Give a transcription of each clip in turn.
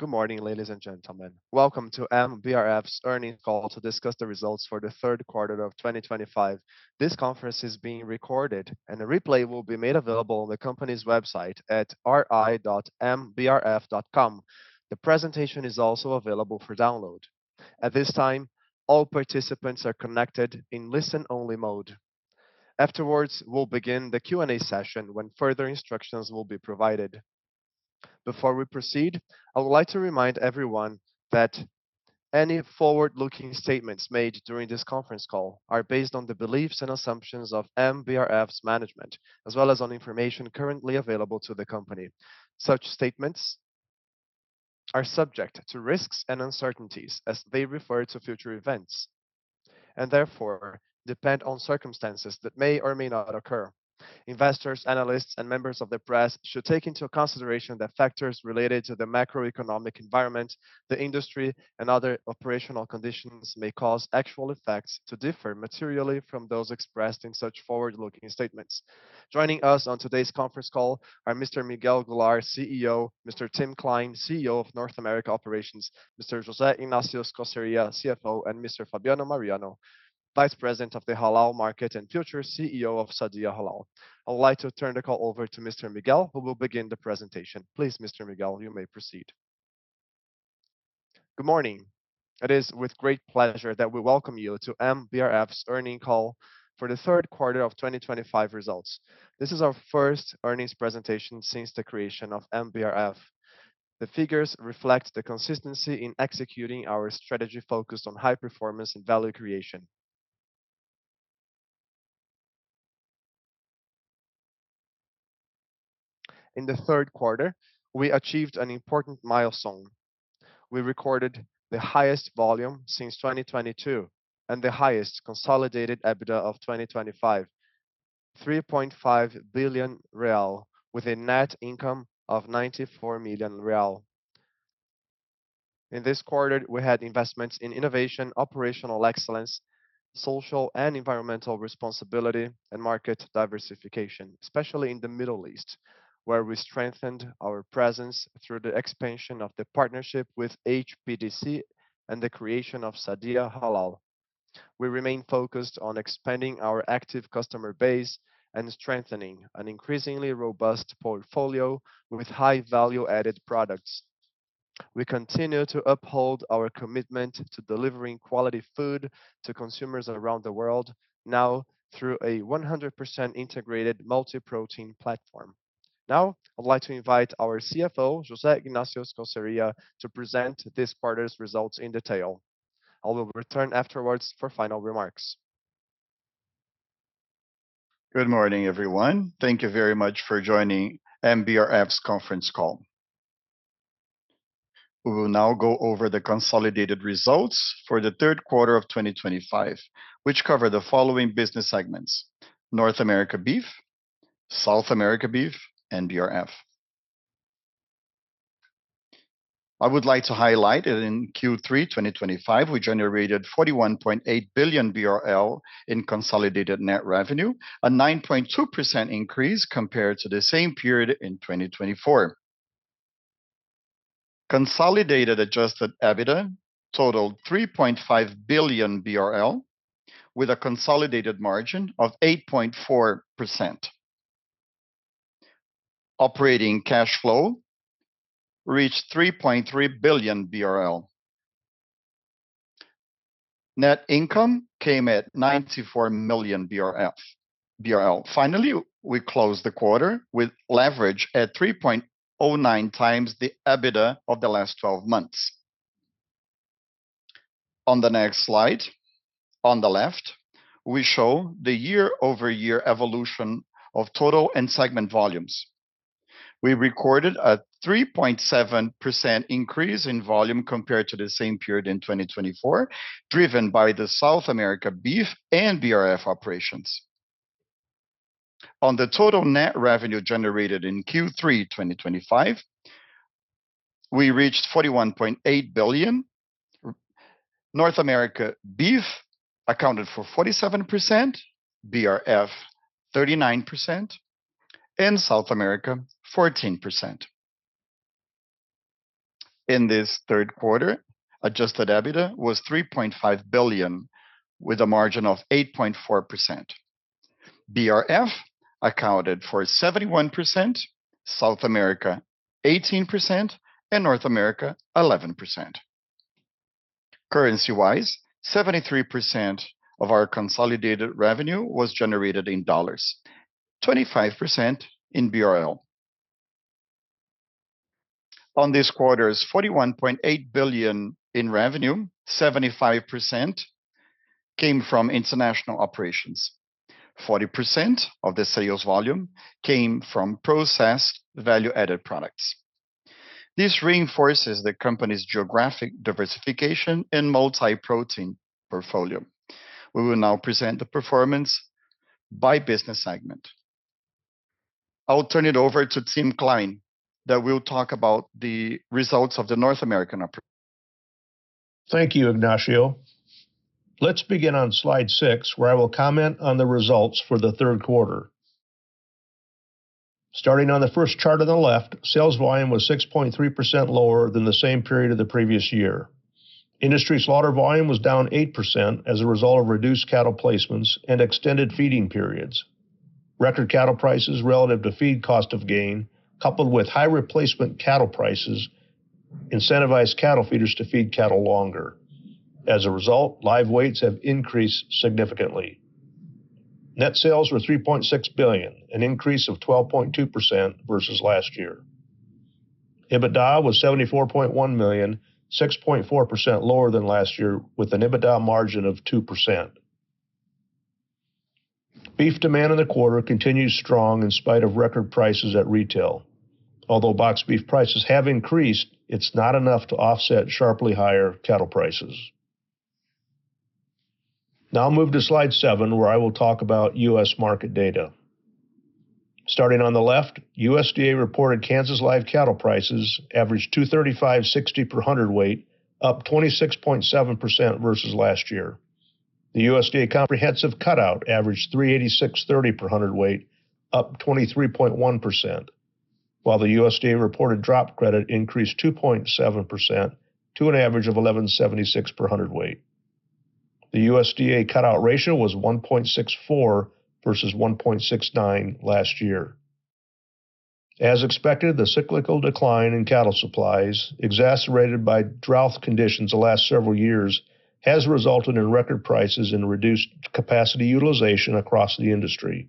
Good morning, ladies and gentlemen. Welcome to MBRF's earnings call to discuss the results for the third quarter of 2025. This conference is being recorded, and a replay will be made available on the company's website at ri.mbrf.com. The presentation is also available for download. At this time, all participants are connected in listen-only mode. Afterwards, we'll begin the Q&A session when further instructions will be provided. Before we proceed, I would like to remind everyone that any forward-looking statements made during this conference call are based on the beliefs and assumptions of MBRF's management, as well as on information currently available to the company. Such statements are subject to risks and uncertainties, as they refer to future events, and therefore depend on circumstances that may or may not occur. Investors, analysts, and members of the press should take into consideration that factors related to the macroeconomic environment, the industry, and other operational conditions may cause actual effects to differ materially from those expressed in such forward-looking statements. Joining us on today's conference call are Mr. Miguel Gularte, CEO; Mr. Tim Klein, CEO of North America Operations; Mr. José Ignácio Scoseria, CFO; and Mr. Fábio Mariano, Vice President of the Halal Market and future CEO of Sadia Halal. I would like to turn the call over to Mr. Miguel, who will begin the presentation. Please, Mr. Miguel, you may proceed. Good morning. It is with great pleasure that we welcome you to MBRF's earnings call for the third quarter of 2025 results. This is our first earnings presentation since the creation of MBRF. The figures reflect the consistency in executing our strategy focused on high performance and value creation. In the third quarter, we achieved an important milestone. We recorded the highest volume since 2022 and the highest consolidated EBITDA of 2025, 3.5 billion real, with a net income of 94 million real. In this quarter, we had investments in innovation, operational excellence, social and environmental responsibility, and market diversification, especially in the Middle East, where we strengthened our presence through the expansion of the partnership with HPDC and the creation of Sadia Halal. We remain focused on expanding our active customer base and strengthening an increasingly robust portfolio with high-value-added products. We continue to uphold our commitment to delivering quality food to consumers around the world, now through a 100% integrated multi-protein platform. Now, I'd like to invite our CFO, José Ignácio Scoseria, to present this quarter's results in detail. I will return afterwards for final remarks. Good morning, everyone. Thank you very much for joining MBRF's conference call. We will now go over the consolidated results for the third quarter of 2025, which cover the following business segments: North America Beef, South America Beef, and BRF. I would like to highlight that in Q3 2025, we generated 41.8 billion BRL in consolidated net revenue, a 9.2% increase compared to the same period in 2024. Consolidated adjusted EBITDA totaled 3.5 billion BRL, with a consolidated margin of 8.4%. Operating cash flow reached 3.3 billion BRL. Net income came at 94 million BRL. Finally, we closed the quarter with leverage at 3.09 times the EBITDA of the last 12 months. On the next slide, on the left, we show the year-over-year evolution of total and segment volumes. We recorded a 3.7% increase in volume compared to the same period in 2024, driven by the South America Beef and BRF operations. On the total net revenue generated in Q3 2025, we reached 41.8 billion. North America Beef accounted for 47%, BRF 39%, and South America 14%. In this third quarter, adjusted EBITDA was 3.5 billion, with a margin of 8.4%. BRF accounted for 71%, South America 18%, and North America 11%. Currency-wise, 73% of our consolidated revenue was generated in dollars, 25% in BRL. On this quarter's 41.8 billion in revenue, 75% came from international operations. 40% of the sales volume came from processed value-added products. This reinforces the company's geographic diversification and multi-protein portfolio. We will now present the performance by business segment. I'll turn it over to Tim Klein that will talk about the results of the North American operation. Thank you, Ignácio. Let's begin on slide 6, where I will comment on the results for the third quarter. Starting on the first chart on the left, sales volume was 6.3% lower than the same period of the previous year. Industry slaughter volume was down 8% as a result of reduced cattle placements and extended feeding periods. Record cattle prices relative to feed cost of gain, coupled with high replacement cattle prices, incentivized cattle feeders to feed cattle longer. As a result, live weights have increased significantly. Net sales were 3.6 billion, an increase of 12.2% versus last year. EBITDA was 74.1 million, 6.4% lower than last year, with an EBITDA margin of 2%. Beef demand in the quarter continues strong in spite of record prices at retail. Although boxed beef prices have increased, it's not enough to offset sharply higher cattle prices. Now I'll move to slide 7, where I will talk about U.S. market data. Starting on the left, USDA reported Kansas live cattle prices averaged 235.60 per hundredweight, up 26.7% versus last year. The USDA comprehensive cutout averaged 386.30 per hundredweight, up 23.1%, while the USDA reported drop credit increased 2.7% to an average of 11.76 per hundredweight. The USDA cutout ratio was 1.64 versus 1.69 last year. As expected, the cyclical decline in cattle supplies, exacerbated by drought conditions the last several years, has resulted in record prices and reduced capacity utilization across the industry.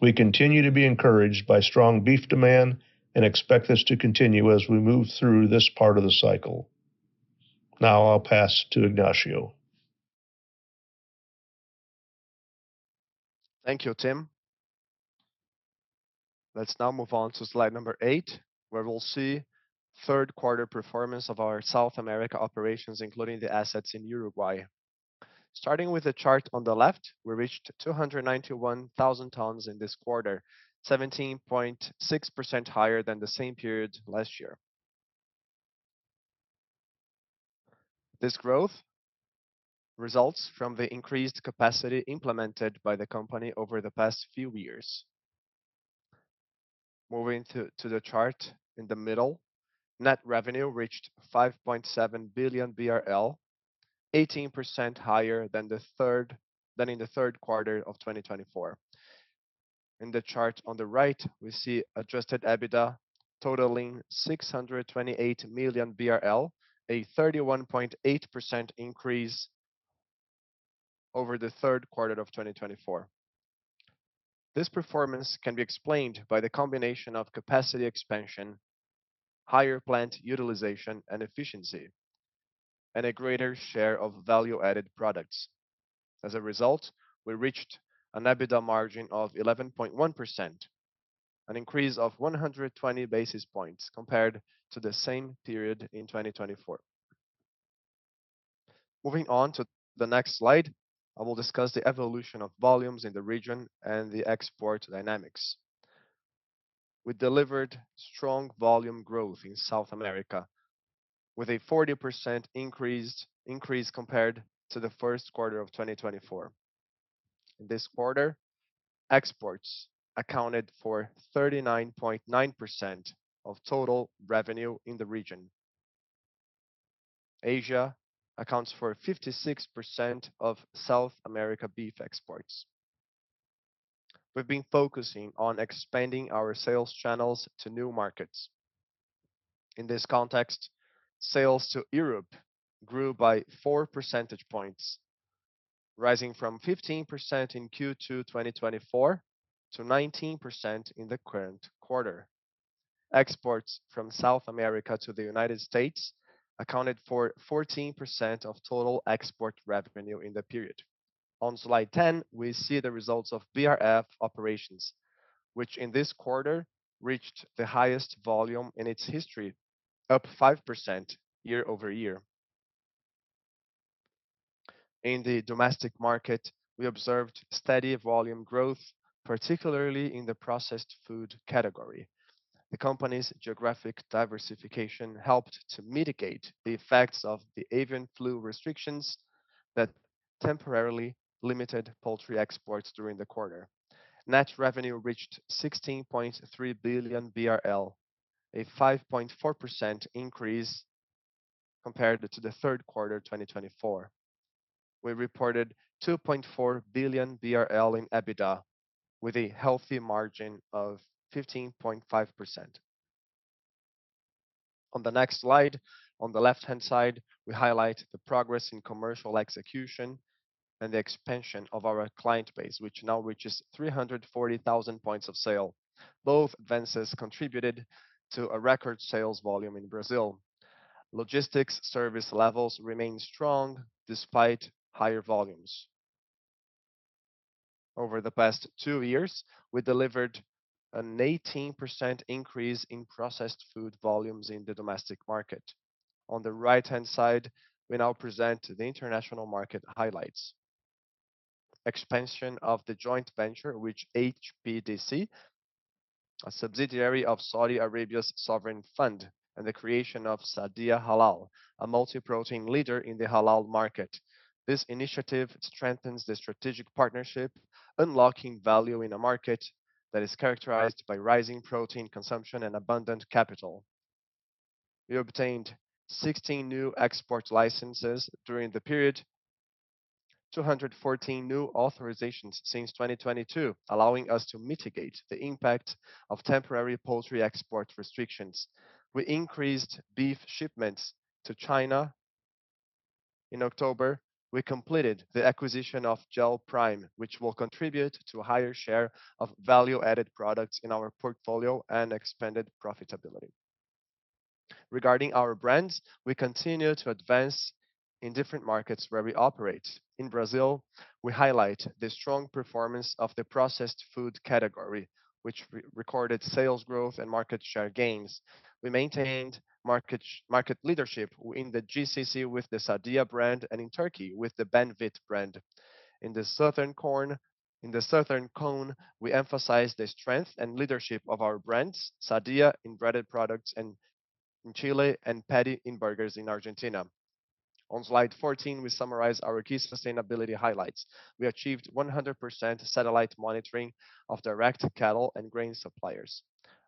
We continue to be encouraged by strong beef demand and expect this to continue as we move through this part of the cycle. Now I'll pass to Ignácio. Thank you, Tim. Let's now move on to slide number 8, where we'll see third quarter performance of our South America operations, including the assets in Uruguay. Starting with the chart on the left, we reached 291,000 tons in this quarter, 17.6% higher than the same period last year. This growth results from the increased capacity implemented by the company over the past few years. Moving to the chart in the middle, net revenue reached 5.7 billion BRL, 18% higher than in the third quarter of 2024. In the chart on the right, we see adjusted EBITDA totaling 628 million BRL, a 31.8% increase over the third quarter of 2024. This performance can be explained by the combination of capacity expansion, higher plant utilization and efficiency, and a greater share of value-added products. As a result, we reached an EBITDA margin of 11.1%, an increase of 120 basis points compared to the same period in 2024. Moving on to the next slide, I will discuss the evolution of volumes in the region and the export dynamics. We delivered strong volume growth in South America, with a 40% increase compared to the first quarter of 2024. In this quarter, exports accounted for 39.9% of total revenue in the region. Asia accounts for 56% of South America Beef exports. We've been focusing on expanding our sales channels to new markets. In this context, sales to Europe grew by 4 percentage points, rising from 15% in Q2 2024 to 19% in the current quarter. Exports from South America to the United States accounted for 14% of total export revenue in the period. On slide 10, we see the results of BRF operations, which in this quarter reached the highest volume in its history, up 5% year-over-year. In the domestic market, we observed steady volume growth, particularly in the processed food category. The company's geographic diversification helped to mitigate the effects of the avian flu restrictions that temporarily limited poultry exports during the quarter. Net revenue reached 16.3 billion BRL, a 5.4% increase compared to the third quarter 2024. We reported 2.4 billion BRL in EBITDA, with a healthy margin of 15.5%. On the next slide, on the left-hand side, we highlight the progress in commercial execution and the expansion of our client base, which now reaches 340,000 points of sale. Both advances contributed to a record sales volume in Brazil. Logistics service levels remain strong despite higher volumes. Over the past 2 years, we delivered an 18% increase in processed food volumes in the domestic market. On the right-hand side, we now present the international market highlights: expansion of the joint venture with HPDC, a subsidiary of Saudi Arabia's sovereign fund, and the creation of Sadia Halal, a multi-protein leader in the halal market. This initiative strengthens the strategic partnership, unlocking value in a market that is characterized by rising protein consumption and abundant capital. We obtained 16 new export licenses during the period, 214 new authorizations since 2022, allowing us to mitigate the impact of temporary poultry export restrictions. We increased beef shipments to China. In October, we completed the acquisition of Gelprime, which will contribute to a higher share of value-added products in our portfolio and expanded profitability. Regarding our brands, we continue to advance in different markets where we operate. In Brazil, we highlight the strong performance of the processed food category, which recorded sales growth and market share gains. We maintained market leadership in the GCC with the Sadia brand and in Turkey with the Banvit brand. In the Southern Cone, we emphasize the strength and leadership of our brands: Sadia in breaded products in Chile and Paty in burgers in Argentina. On slide 14, we summarize our key sustainability highlights. We achieved 100% satellite monitoring of direct cattle and grain suppliers.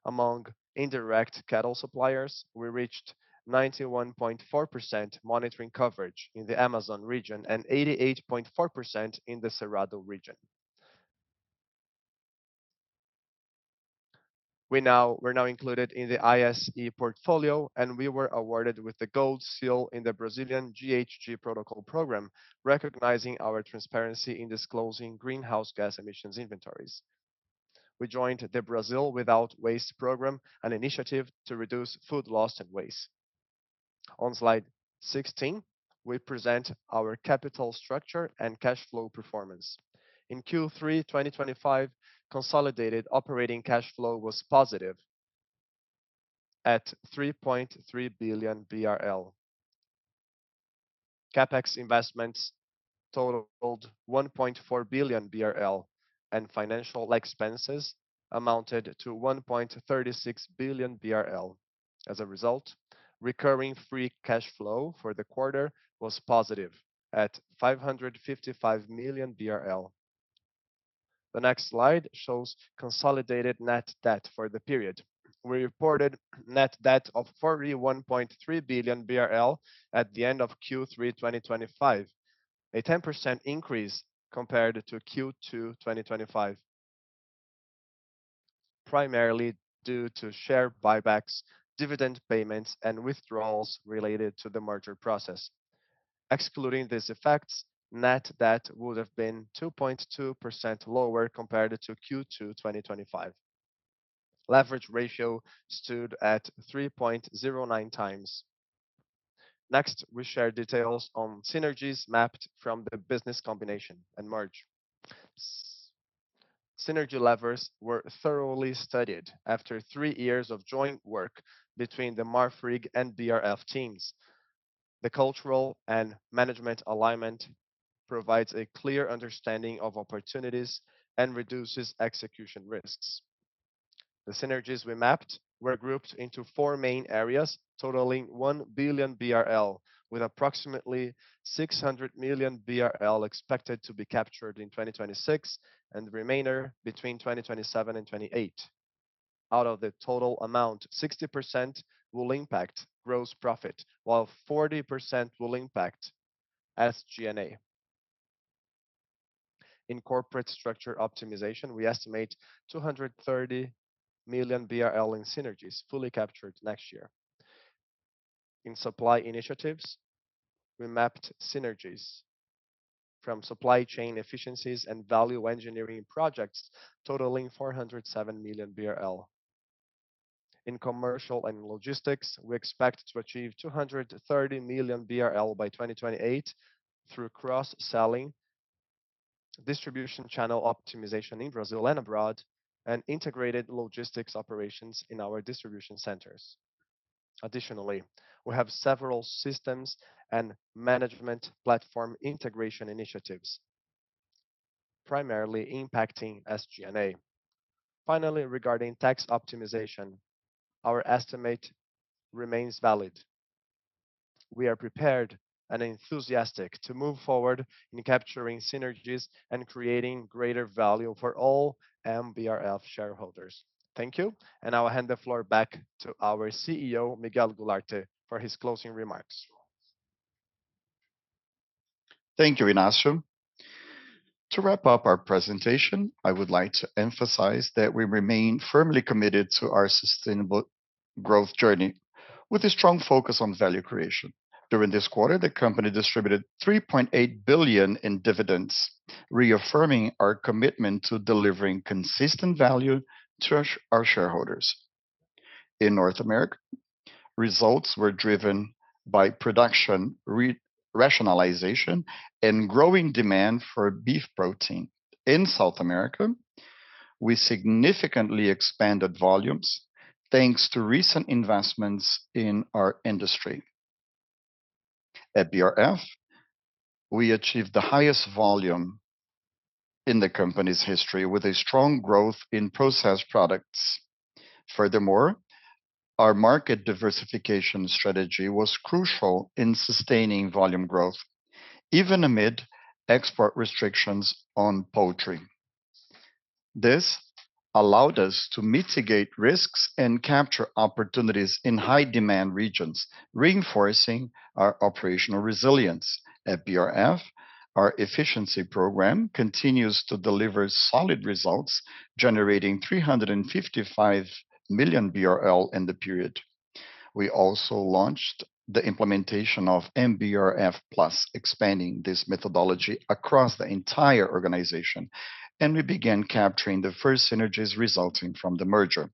Among indirect cattle suppliers, we reached 91.4% monitoring coverage in the Amazon region and 88.4% in the Cerrado region. We now were included in the ISE portfolio, and we were awarded with the Gold Seal in the Brazilian GHG Protocol Program, recognizing our transparency in disclosing greenhouse gas emissions inventories. We joined the Brazil Without Waste Program, an initiative to reduce food loss and waste. On slide 16, we present our capital structure and cash flow performance. In Q3 2025, consolidated operating cash flow was positive at 3.3 billion BRL. CapEx investments totaled 1.4 billion BRL, and financial expenses amounted to 1.36 billion BRL. As a result, recurring free cash flow for the quarter was positive at 555 million BRL. The next slide shows consolidated net debt for the period. We reported net debt of 41.3 billion BRL at the end of Q3 2025, a 10% increase compared to Q2 2025, primarily due to share buybacks, dividend payments, and withdrawals related to the merger process. Excluding these effects, net debt would have been 2.2% lower compared to Q2 2025. Leverage ratio stood at 3.09x. Next, we share details on synergies mapped from the business combination and merge. Synergy levers were thoroughly studied after 3 years of joint work between the Marfrig and BRF teams. The cultural and management alignment provides a clear understanding of opportunities and reduces execution risks. The synergies we mapped were grouped into four main areas, totaling 1 billion BRL, with approximately 600 million BRL expected to be captured in 2026 and the remainder between 2027 and 2028. Out of the total amount, 60% will impact gross profit, while 40% will impact SG&A. In corporate structure optimization, we estimate 230 million BRL in synergies fully captured next year. In supply initiatives, we mapped synergies from supply chain efficiencies and value engineering projects, totaling 407 million BRL. In commercial and logistics, we expect to achieve 230 million BRL by 2028 through cross-selling, distribution channel optimization in Brazil and abroad, and integrated logistics operations in our distribution centers. Additionally, we have several systems and management platform integration initiatives, primarily impacting SG&A. Finally, regarding tax optimization, our estimate remains valid. We are prepared and enthusiastic to move forward in capturing synergies and creating greater value for all MBRF shareholders. Thank you, and I'll hand the floor back to our CEO, Miguel Gularte, for his closing remarks. Thank you, Ignácio. To wrap up our presentation, I would like to emphasize that we remain firmly committed to our sustainable growth journey, with a strong focus on value creation. During this quarter, the company distributed 3.8 billion BRL in dividends, reaffirming our commitment to delivering consistent value to our shareholders. In North America, results were driven by production rationalization and growing demand for beef protein. In South America, we significantly expanded volumes thanks to recent investments in our industry. At BRF, we achieved the highest volume in the company's history, with a strong growth in processed products. Furthermore, our market diversification strategy was crucial in sustaining volume growth, even amid export restrictions on poultry. This allowed us to mitigate risks and capture opportunities in high-demand regions, reinforcing our operational resilience. At BRF, our efficiency program continues to deliver solid results, generating 355 million BRL in the period. We also launched the implementation of MBRF+, expanding this methodology across the entire organization, and we began capturing the first synergies resulting from the merger.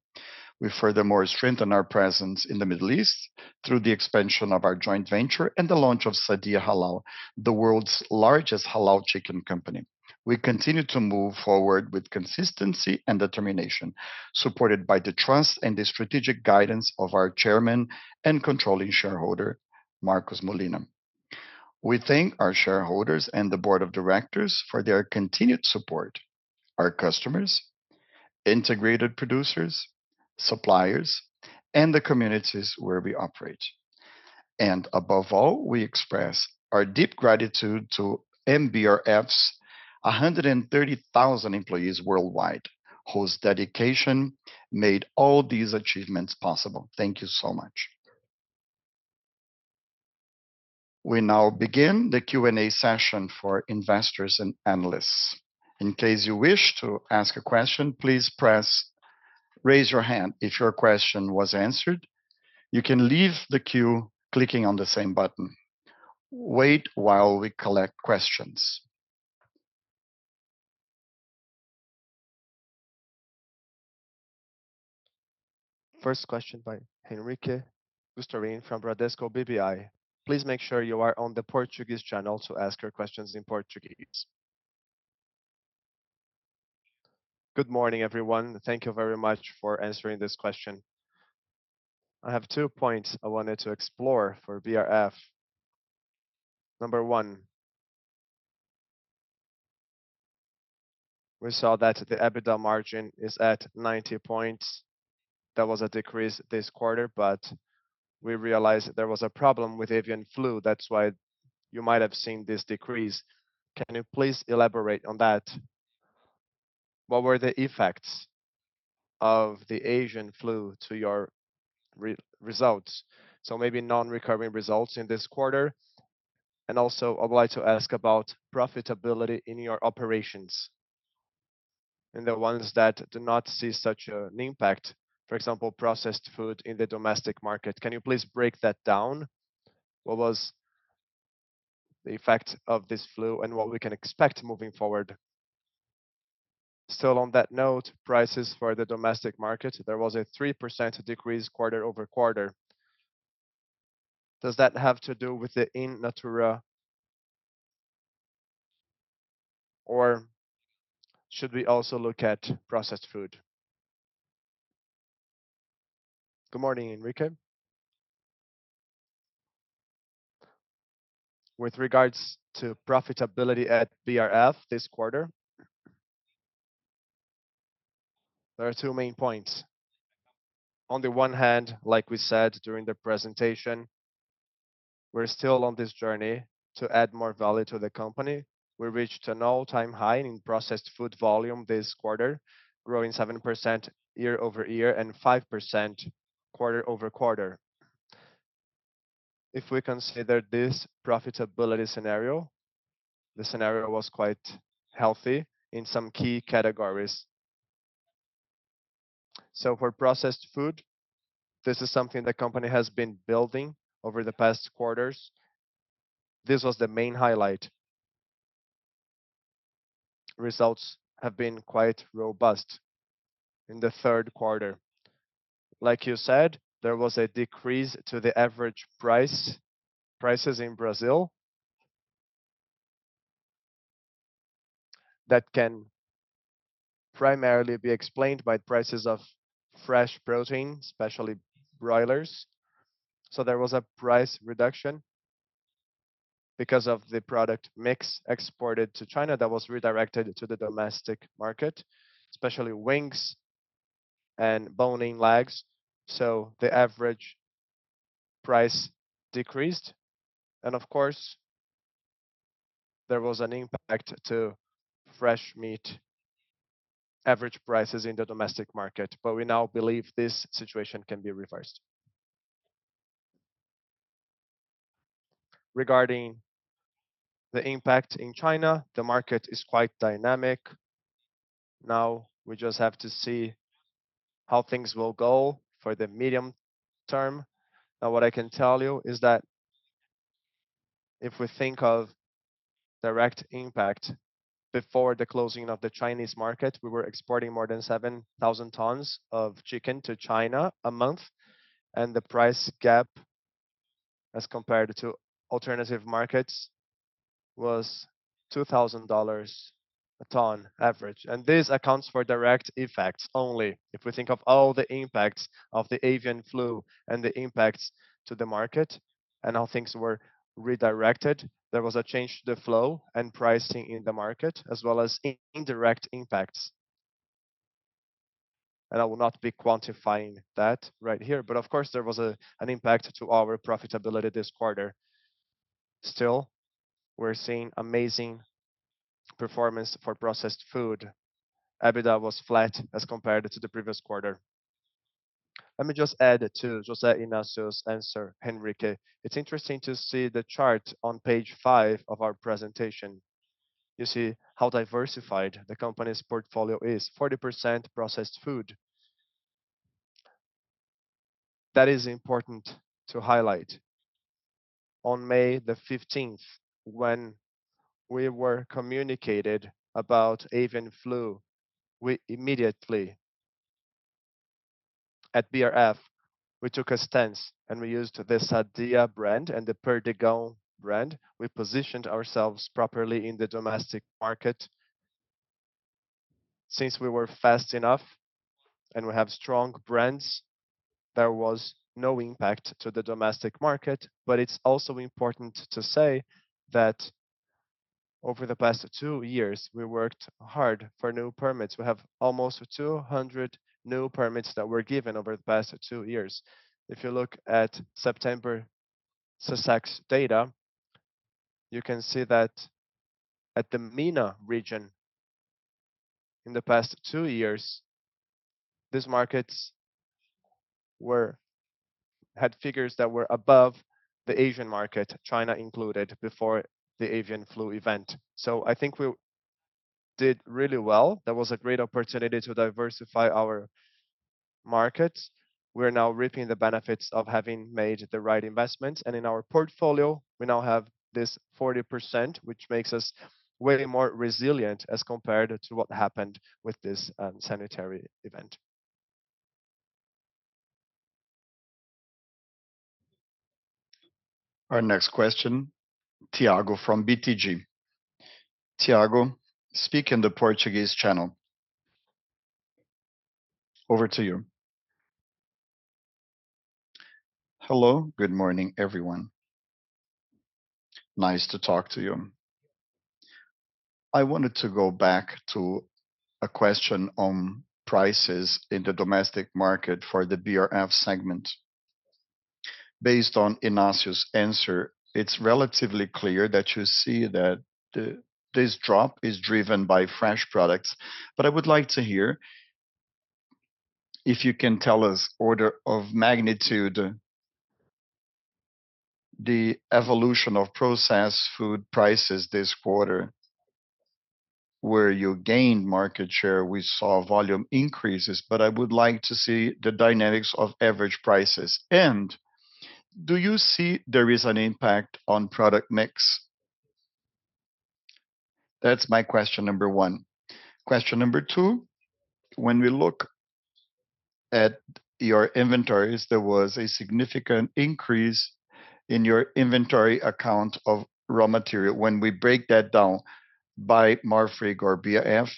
We furthermore strengthened our presence in the Middle East through the expansion of our joint venture and the launch of Sadia Halal, the world's largest Halal chicken company. We continue to move forward with consistency and determination, supported by the trust and the strategic guidance of our chairman and controlling shareholder, Marcos Molina. We thank our shareholders and the board of directors for their continued support, our customers, integrated producers, suppliers, and the communities where we operate. And above all, we express our deep gratitude to MBRF's 130,000 employees worldwide, whose dedication made all these achievements possible. Thank you so much. We now begin the Q&A session for investors and analysts. In case you wish to ask a question, please press to raise your hand if your question was answered. You can leave the queue clicking on the same button. Wait while we collect questions. First question by Henrique Brustolin from Bradesco BBI. Please make sure you are on the Portuguese channel to ask your questions in Portuguese. Good morning, everyone. Thank you very much for answering this question. I have two points I wanted to explore for BRF. Number one, we saw that the EBITDA margin is at 90 points. That was a decrease this quarter, but we realized there was a problem with avian flu. That's why you might have seen this decrease. Can you please elaborate on that? What were the effects of the avian flu to your results? So maybe non-recurring results in this quarter. Also, I'd like to ask about profitability in your operations and the ones that do not see such an impact, for example, processed food in the domestic market. Can you please break that down? What was the effect of this flu and what we can expect moving forward? Still on that note, prices for the domestic market, there was a 3% decrease quarter-over-quarter. Does that have to do with the in natura? Or should we also look at processed food? Good morning, Henrique. With regards to profitability at BRF this quarter, there are two main points. On the one hand, like we said during the presentation, we're still on this journey to add more value to the company. We reached an all-time high in processed food volume this quarter, growing 7% year-over-year and 5% quarter-over-quarter. If we consider this profitability scenario, the scenario was quite healthy in some key categories. So for processed food, this is something the company has been building over the past quarters. This was the main highlight. Results have been quite robust in the third quarter. Like you said, there was a decrease to the average prices in Brazil that can primarily be explained by the prices of fresh protein, especially broilers. So there was a price reduction because of the product mix exported to China that was redirected to the domestic market, especially wings and bone-in legs. So the average price decreased. And of course, there was an impact to fresh meat average prices in the domestic market, but we now believe this situation can be reversed. Regarding the impact in China, the market is quite dynamic. Now we just have to see how things will go for the medium term. Now, what I can tell you is that if we think of direct impact, before the closing of the Chinese market, we were exporting more than 7,000 tons of chicken to China a month, and the price gap as compared to alternative markets was $2,000 a ton average, and this accounts for direct effects only. If we think of all the impacts of the avian flu and the impacts to the market and how things were redirected, there was a change to the flow and pricing in the market, as well as indirect impacts, and I will not be quantifying that right here, but of course, there was an impact to our profitability this quarter. Still, we're seeing amazing performance for processed food. EBITDA was flat as compared to the previous quarter. Let me just add to José Ignácio's answer, Henrique. It's interesting to see the chart on page 5 of our presentation. You see how diversified the company's portfolio is: 40% processed food. That is important to highlight. On May the 15th, when we were communicated about avian flu, we immediately at BRF, we took a stance and we used the Sadia brand and the Perdigão brand. We positioned ourselves properly in the domestic market. Since we were fast enough and we have strong brands, there was no impact to the domestic market. But it's also important to say that over the past 2 years, we worked hard for new permits. We have almost 200 new permits that were given over the past 2 years. If you look at September SECEX data, you can see that at the MENA region, in the past 2 years, these markets had figures that were above the Asian market, China included, before the avian flu event. So I think we did really well. That was a great opportunity to diversify our markets. We're now reaping the benefits of having made the right investments. And in our portfolio, we now have this 40%, which makes us way more resilient as compared to what happened with this sanitary event. Our next question, Thiago from BTG. Thiago, speak in the Portuguese channel. Over to you. Hello, good morning, everyone. Nice to talk to you. I wanted to go back to a question on prices in the domestic market for the BRF segment. Based on Ignácio's answer, it's relatively clear that you see that this drop is driven by fresh products. But I would like to hear if you can tell us, order of magnitude, the evolution of processed food prices this quarter, where you gained market share. We saw volume increases, but I would like to see the dynamics of average prices. And do you see there is an impact on product mix? That's my question number one. Question number two, when we look at your inventories, there was a significant increase in your inventory account of raw material. When we break that down by Marfrig or BRF,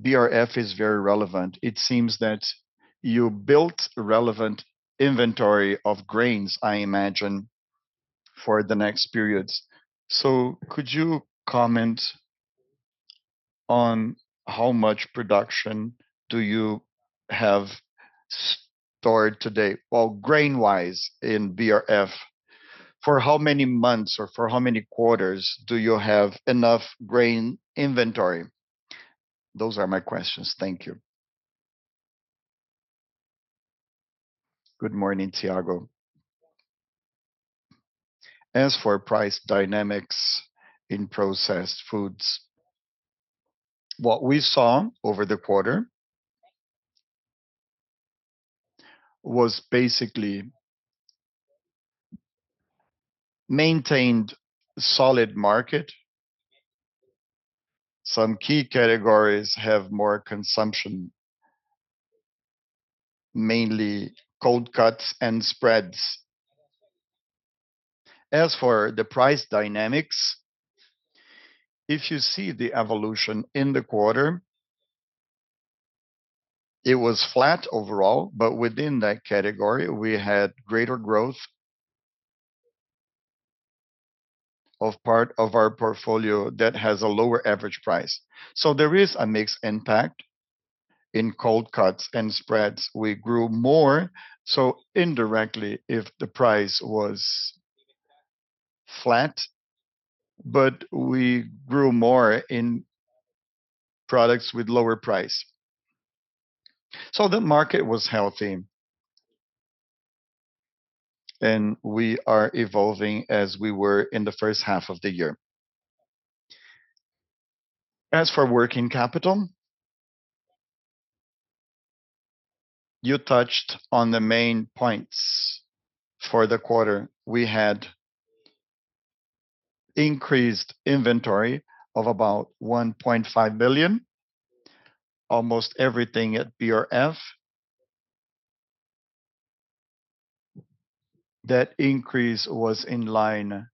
BRF is very relevant. It seems that you built relevant inventory of grains, I imagine, for the next periods. So could you comment on how much production do you have stored today? Well, grain-wise in BRF, for how many months or for how many quarters do you have enough grain inventory? Those are my questions. Thank you. Good morning, Thiago. As for price dynamics in processed foods, what we saw over the quarter was basically maintained solid market. Some key categories have more consumption, mainly cold cuts and spreads. As for the price dynamics, if you see the evolution in the quarter, it was flat overall, but within that category, we had greater growth of part of our portfolio that has a lower average price. So there is a mixed impact in cold cuts and spreads. We grew more, so indirectly, if the price was flat, but we grew more in products with lower price. So the market was healthy, and we are evolving as we were in the first half of the year. As for working capital, you touched on the main points for the quarter. We had increased inventory of about 1.5 million, almost everything at BRF. That increase was in line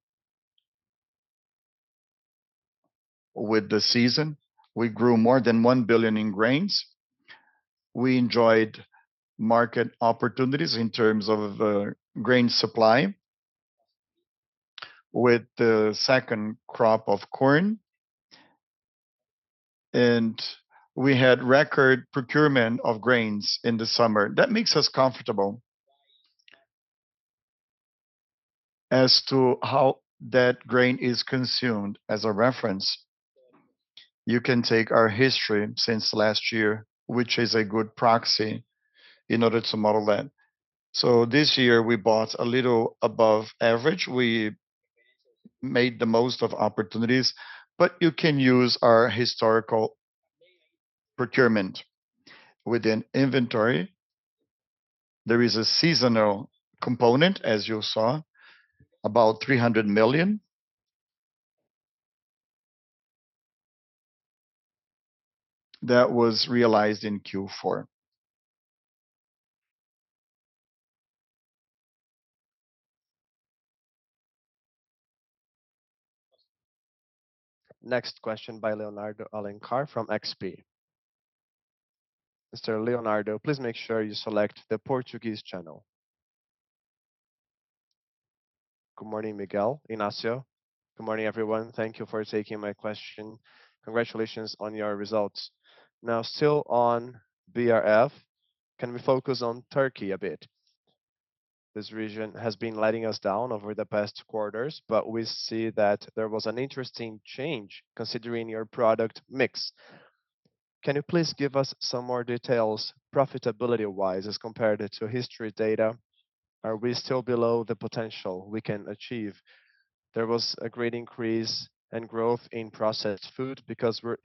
with the season. We grew more than 1 billion in grains. We enjoyed market opportunities in terms of grain supply with the second crop of corn. And we had record procurement of grains in the summer. That makes us comfortable as to how that grain is consumed as a reference. You can take our history since last year, which is a good proxy in order to model that. So this year, we bought a little above average. We made the most of opportunities, but you can use our historical procurement within inventory. There is a seasonal component, as you saw, about 300 million that was realized in Q4. Next question by Leonardo Alencar from XP. Mr. Leonardo, please make sure you select the Portuguese channel. Good morning, Miguel, José Ignácio. Good morning, everyone. Thank you for taking my question. Congratulations on your results. Now, still on BRF, can we focus on Turkey a bit? This region has been letting us down over the past quarters, but we see that there was an interesting change considering your product mix. Can you please give us some more details profitability-wise as compared to history data? Are we still below the potential we can achieve? There was a great increase and growth in processed food because we're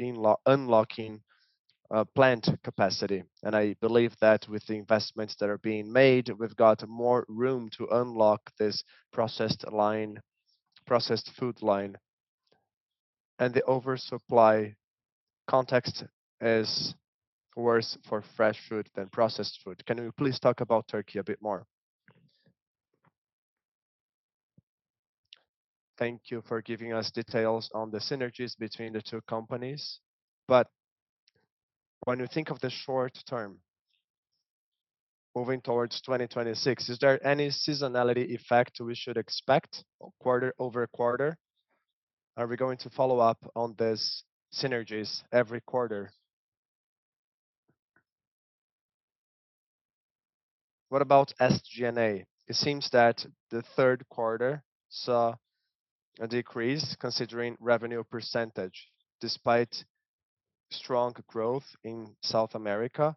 unlocking plant capacity. And I believe that with the investments that are being made, we've got more room to unlock this processed food line. And the oversupply context is worse for fresh food than processed food. Can you please talk about Turkey a bit more? Thank you for giving us details on the synergies between the two companies. But when you think of the short term, moving towards 2026, is there any seasonality effect we should expect quarter-over-quarter? Are we going to follow up on these synergies every quarter? What about SG&A? It seems that the third quarter saw a decrease considering revenue percentage. Despite strong growth in South America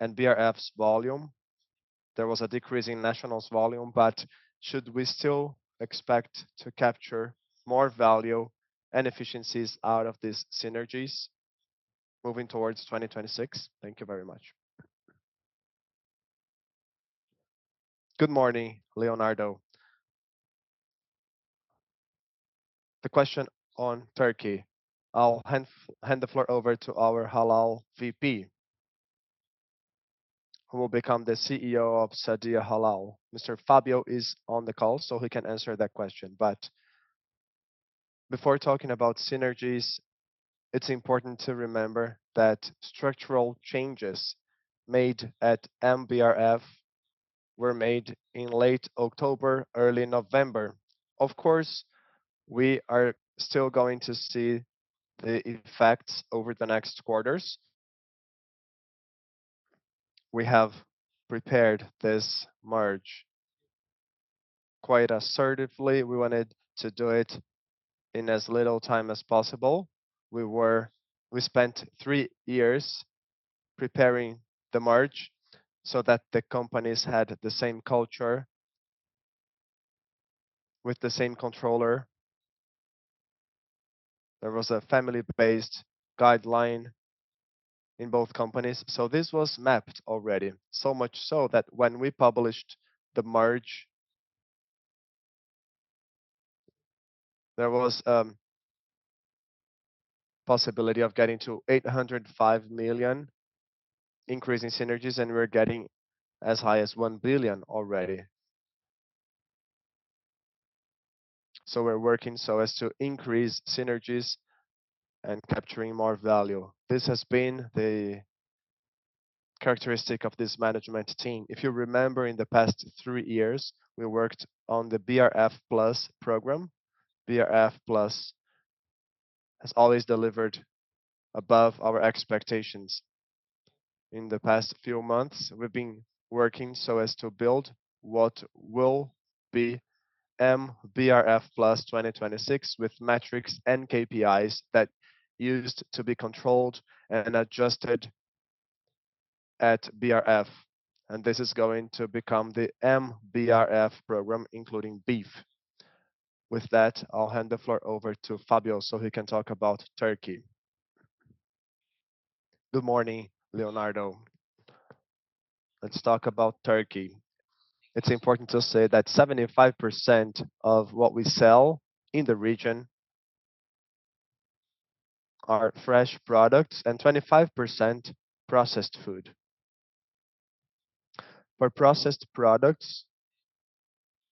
and BRF's volume, there was a decrease in National's volume. But should we still expect to capture more value and efficiencies out of these synergies moving towards 2026? Thank you very much. Good morning, Leonardo. The question on Turkey. I'll hand the floor over to our Halal VP, who will become the CEO of Sadia Halal. Fábio Mariano is on the call, so he can answer that question. But before talking about synergies, it's important to remember that structural changes made at MBRF were made in late October, early November. Of course, we are still going to see the effects over the next quarters. We have prepared this merge quite assertively. We wanted to do it in as little time as possible. We spent three years preparing the merge so that the companies had the same culture with the same controller. There was a family-based guideline in both companies. So this was mapped already, so much so that when we published the merge, there was a possibility of getting to 805 million increase in synergies, and we're getting as high as 1 billion already. So we're working so as to increase synergies and capturing more value. This has been the characteristic of this management team. If you remember, in the past three years, we worked on the BRF+ program. BRF+ has always delivered above our expectations. In the past few months, we've been working so as to build what will be MBRF+ 2026 with metrics and KPIs that used to be controlled and adjusted at BRF, and this is going to become the MBRF program, including beef. With that, I'll hand the floor over to Fábio so he can talk about Turkey. Good morning, Leonardo. Let's talk about Turkey. It's important to say that 75% of what we sell in the region are fresh products and 25% processed food. For processed products,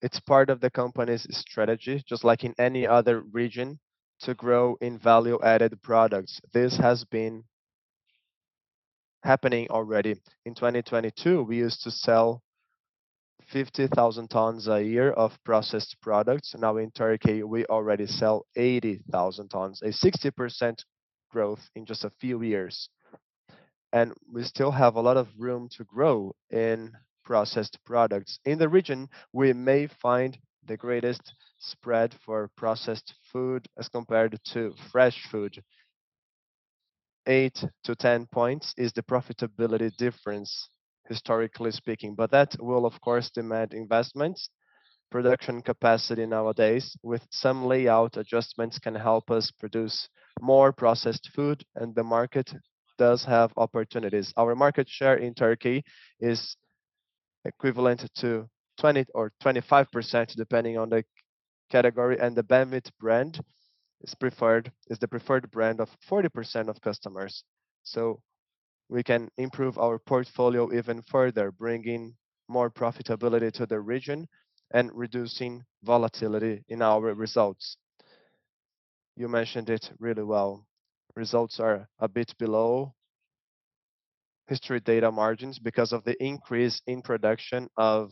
it's part of the company's strategy, just like in any other region, to grow in value-added products. This has been happening already. In 2022, we used to sell 50,000 tons a year of processed products. Now, in Turkey, we already sell 80,000 tons, a 60% growth in just a few years. And we still have a lot of room to grow in processed products. In the region, we may find the greatest spread for processed food as compared to fresh food. Eight to ten points is the profitability difference, historically speaking. But that will, of course, demand investments. Production capacity nowadays, with some layout adjustments, can help us produce more processed food, and the market does have opportunities. Our market share in Turkey is equivalent to 20% or 25%, depending on the category, and the Banvit brand is the preferred brand of 40% of customers, so we can improve our portfolio even further, bringing more profitability to the region and reducing volatility in our results. You mentioned it really well. Results are a bit below history data margins because of the increase in production of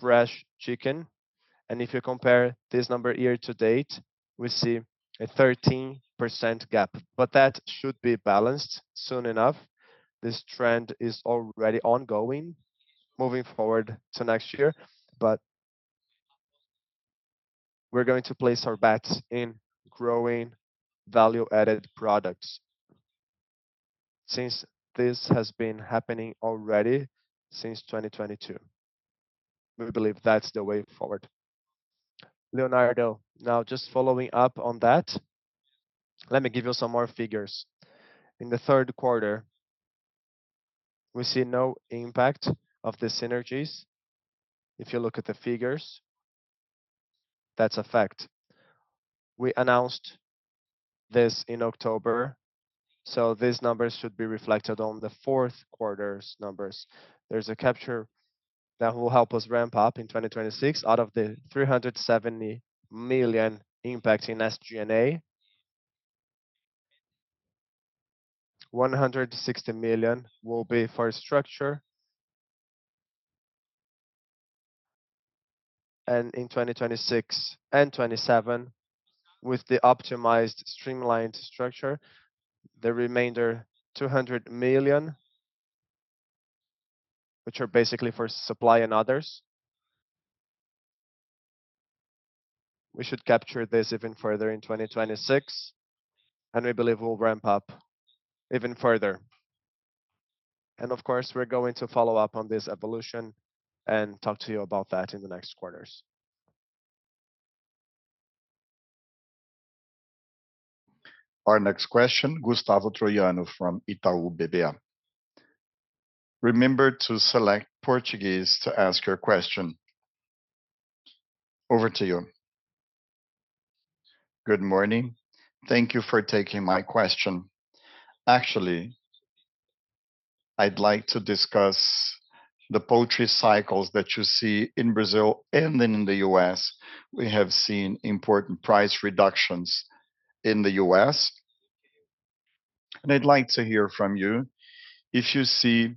fresh chicken, and if you compare this number year to date, we see a 13% gap, but that should be balanced soon enough. This trend is already ongoing, moving forward to next year, but we're going to place our bets in growing value-added products since this has been happening already since 2022. We believe that's the way forward. Leonardo, now just following up on that, let me give you some more figures. In the third quarter, we see no impact of the synergies. If you look at the figures, that's a fact. We announced this in October. So these numbers should be reflected on the fourth quarter's numbers. There's a capture that will help us ramp up in 2026 out of the 370 million impact in SG&A. 160 million will be for structure. And in 2026 and 2027, with the optimized streamlined structure, the remainder 200 million, which are basically for supply and others. We should capture this even further in 2026. And we believe we'll ramp up even further. And of course, we're going to follow up on this evolution and talk to you about that in the next quarters. Our next question, Gustavo Troyano from Itaú BBA. Remember to select Portuguese to ask your question. Over to you. Good morning. Thank you for taking my question. Actually, I'd like to discuss the poultry cycles that you see in Brazil and in the U.S. We have seen important price reductions in the U.S. And I'd like to hear from you if you see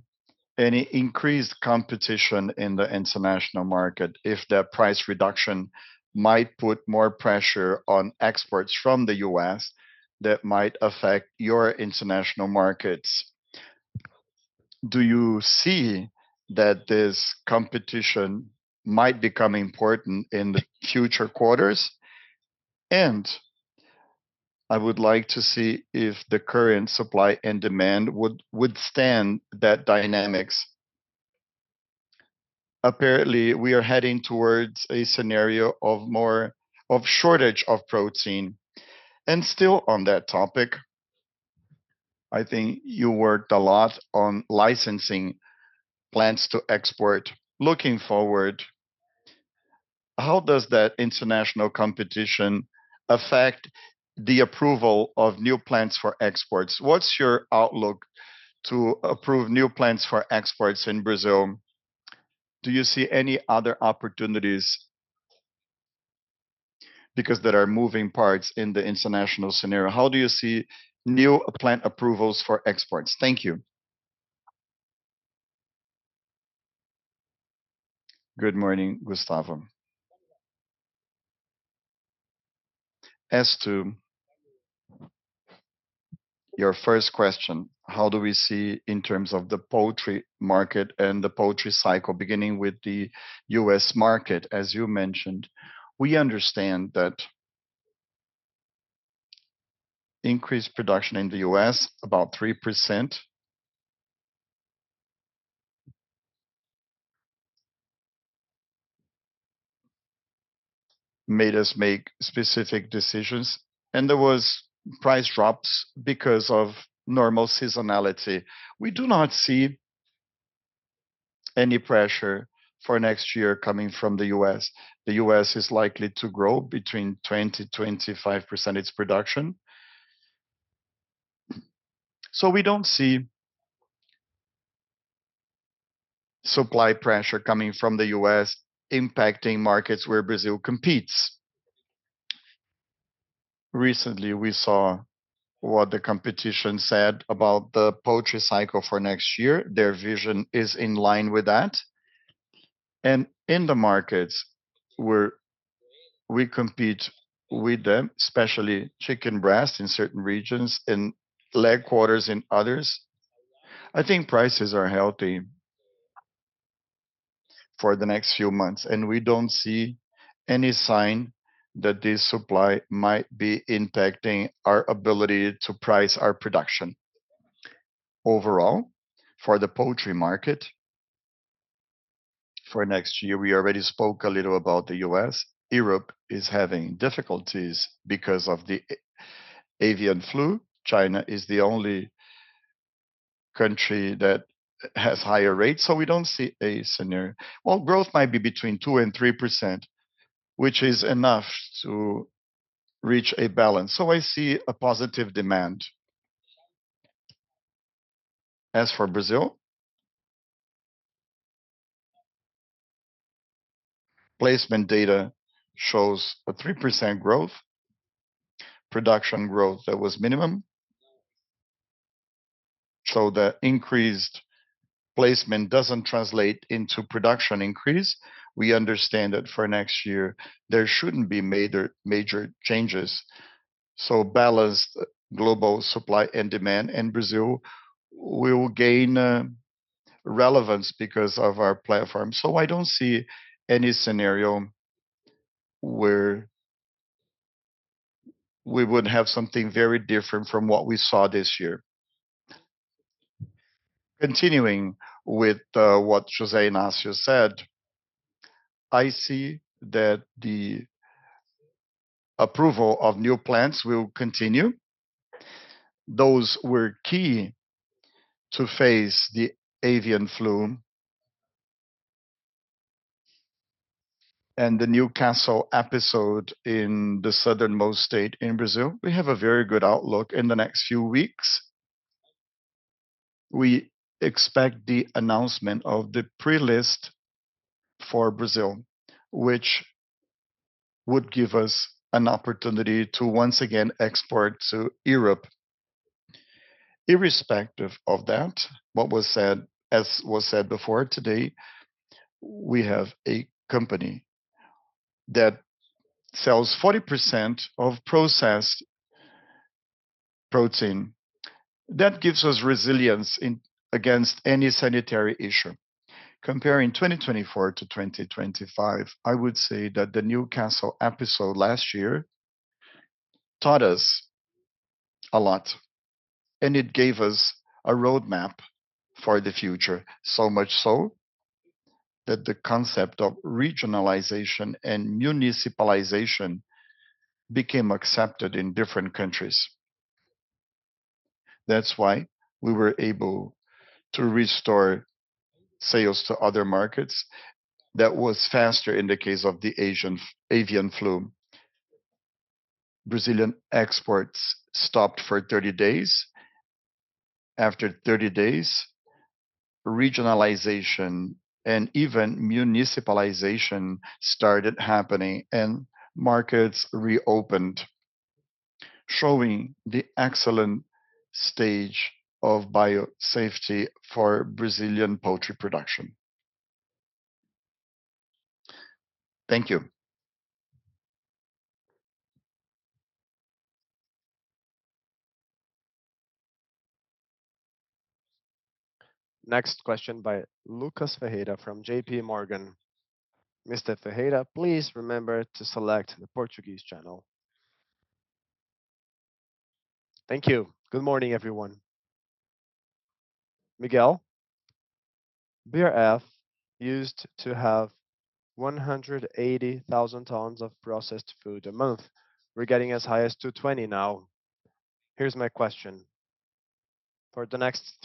any increased competition in the international market, if that price reduction might put more pressure on exports from the U.S. that might affect your international markets. Do you see that this competition might become important in the future quarters? And I would like to see if the current supply and demand would withstand that dynamics. Apparently, we are heading towards a scenario of shortage of protein. And still on that topic, I think you worked a lot on licensing plants to export. Looking forward, how does that international competition affect the approval of new plants for exports? What's your outlook to approve new plants for exports in Brazil? Do you see any other opportunities? Because there are moving parts in the international scenario. How do you see new plant approvals for exports? Thank you. Good morning, Gustavo. As to your first question, how do we see in terms of the poultry market and the poultry cycle, beginning with the U.S. market, as you mentioned? We understand that increased production in the U.S., about 3%, made us make specific decisions, and there were price drops because of normal seasonality. We do not see any pressure for next year coming from the U.S. The U.S. is likely to grow between 20% and 25% of its production, so we don't see supply pressure coming from the U.S. impacting markets where Brazil competes. Recently, we saw what the competition said about the poultry cycle for next year. Their vision is in line with that. In the markets, we compete with them, especially chicken breast in certain regions and leg quarters in others. I think prices are healthy for the next few months. We don't see any sign that this supply might be impacting our ability to price our production. Overall, for the poultry market, for next year, we already spoke a little about the U.S. Europe is having difficulties because of the avian flu. China is the only country that has higher rates. We don't see a scenario. Growth might be between 2% and 3%, which is enough to reach a balance. I see a positive demand. As for Brazil, placement data shows a 3% growth. Production growth that was minimum. The increased placement doesn't translate into production increase. We understand that for next year, there shouldn't be major changes. Balanced global supply and demand in Brazil will gain relevance because of our platform. I don't see any scenario where we would have something very different from what we saw this year. Continuing with what José Ignácio said, I see that the approval of new plants will continue. Those were key to face the avian flu and the Newcastle episode in the southernmost state in Brazil. We have a very good outlook in the next few weeks. We expect the announcement of the pre-list for Brazil, which would give us an opportunity to once again export to Europe. Irrespective of that, what was said, as was said before, today, we have a company that sells 40% of processed protein. That gives us resilience against any sanitary issue. Comparing 2024 to 2025, I would say that the Newcastle episode last year taught us a lot. It gave us a roadmap for the future, so much so that the concept of regionalization and municipalization became accepted in different countries. That's why we were able to restore sales to other markets. That was faster in the case of the avian flu. Brazilian exports stopped for 30 days. After 30 days, regionalization and even municipalization started happening, and markets reopened, showing the excellent stage of biosafety for Brazilian poultry production. Thank you. Next question by Lucas Ferreira from JPMorgan. Mr. Ferreira, please remember to select the Portuguese channel. Thank you. Good morning, everyone. Miguel. BRF used to have 180,000 tons of processed food a month. We're getting as high as 220 now. Here's my question. For the next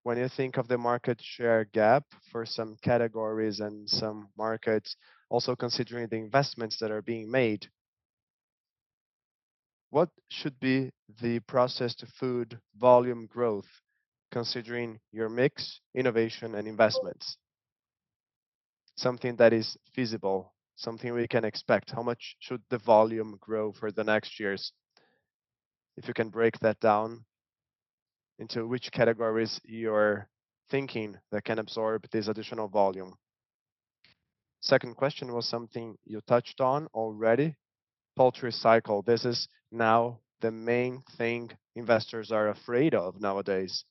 3-5 years, when you think of the market share gap for some categories and some markets, also considering the investments that are being made, what should be the processed food volume growth considering your mix, innovation, and investments? Something that is feasible, something we can expect. How much should the volume grow for the next years? If you can break that down into which categories you're thinking that can absorb this additional volume? Second question was something you touched on already. Poultry cycle, this is now the main thing investors are afraid of nowadays.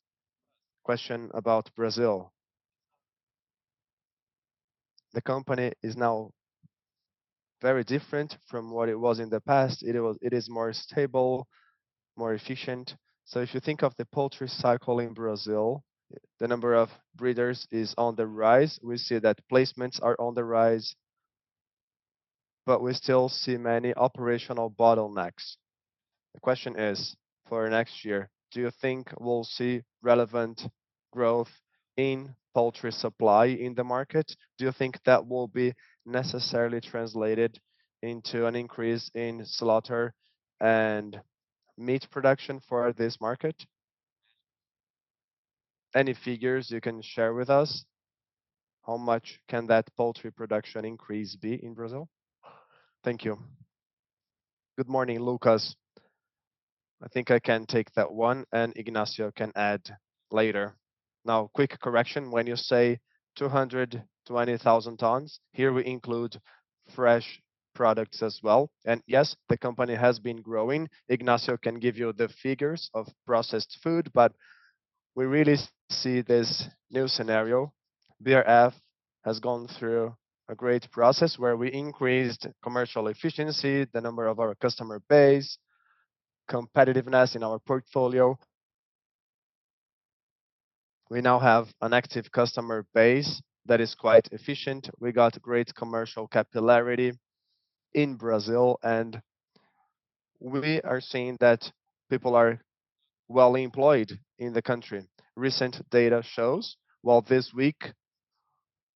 Question about Brazil. The company is now very different from what it was in the past. It is more stable, more efficient. So if you think of the poultry cycle in Brazil, the number of breeders is on the rise. We see that placements are on the rise, but we still see many operational bottlenecks. The question is, for next year, do you think we'll see relevant growth in poultry supply in the market? Do you think that will be necessarily translated into an increase in slaughter and meat production for this market? Any figures you can share with us? How much can that poultry production increase be in Brazil? Thank you. Good morning, Lucas. I think I can take that one, and Ignácio can add later. Now, quick correction. When you say 220,000 tons, here we include fresh products as well, and yes, the company has been growing. Ignácio can give you the figures of processed food, but we really see this new scenario. BRF has gone through a great process where we increased commercial efficiency, the number of our customer base, competitiveness in our portfolio. We now have an active customer base that is quite efficient. We got great commercial capillarity in Brazil, and we are seeing that people are well-employed in the country. Recent data shows, well, this week,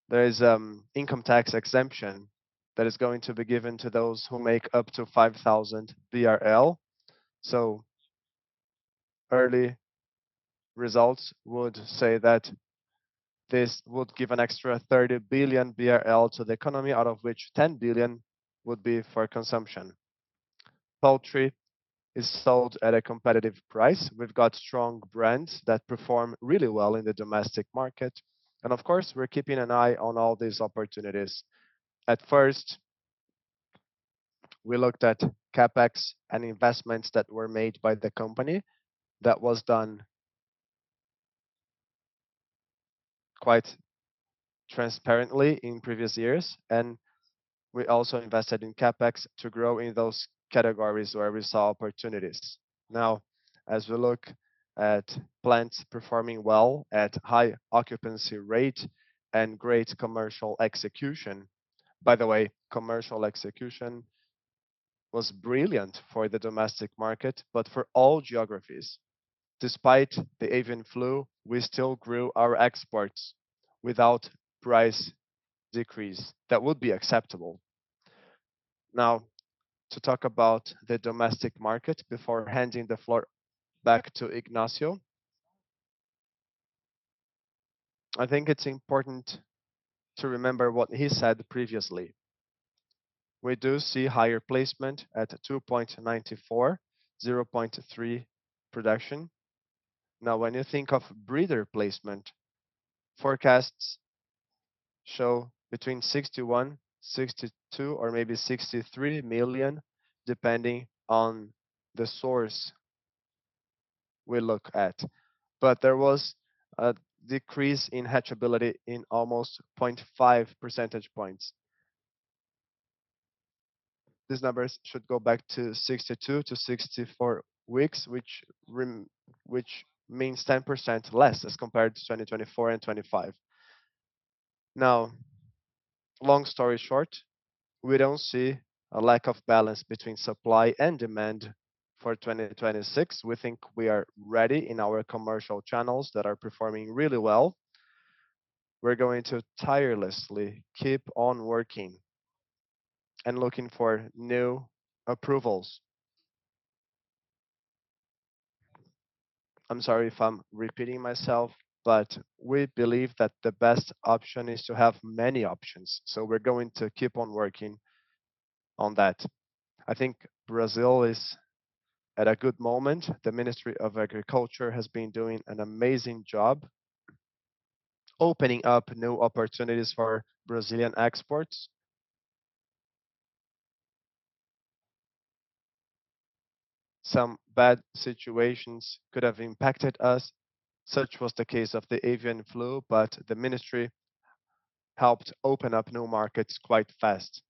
there is an income tax exemption that is going to be given to those who make up to 5,000 BRL. So early results would say that this would give an extra 30 billion BRL to the economy, out of which 10 billion BRL would be for consumption. Poultry is sold at a competitive price. We've got strong brands that perform really well in the domestic market. And of course, we're keeping an eye on all these opportunities. At first, we looked at CapEx and investments that were made by the company. That was done quite transparently in previous years. And we also invested in CapEx to grow in those categories where we saw opportunities. Now, as we look at plants performing well at high occupancy rate and great commercial execution, by the way, commercial execution was brilliant for the domestic market, but for all geographies, despite the avian flu, we still grew our exports without price decrease that would be acceptable. Now, to talk about the domestic market before handing the floor back to Ignácio, I think it's important to remember what he said previously. We do see higher placement at 2.94, 0.3 production. Now, when you think of breeder placement, forecasts show between 61, 62, or maybe 63 million, depending on the source we look at. But there was a decrease in hatchability in almost 0.5 percentage points. These numbers should go back to 62 to 64 weeks, which means 10% less as compared to 2024 and 2025. Now, long story short, we don't see a lack of balance between supply and demand for 2026. We think we are ready in our commercial channels that are performing really well. We're going to tirelessly keep on working and looking for new approvals. I'm sorry if I'm repeating myself, but we believe that the best option is to have many options, so we're going to keep on working on that. I think Brazil is at a good moment. The Ministry of Agriculture has been doing an amazing job opening up new opportunities for Brazilian exports. Some bad situations could have impacted us, such as the case of the avian flu, but the ministry helped open up new markets quite fast.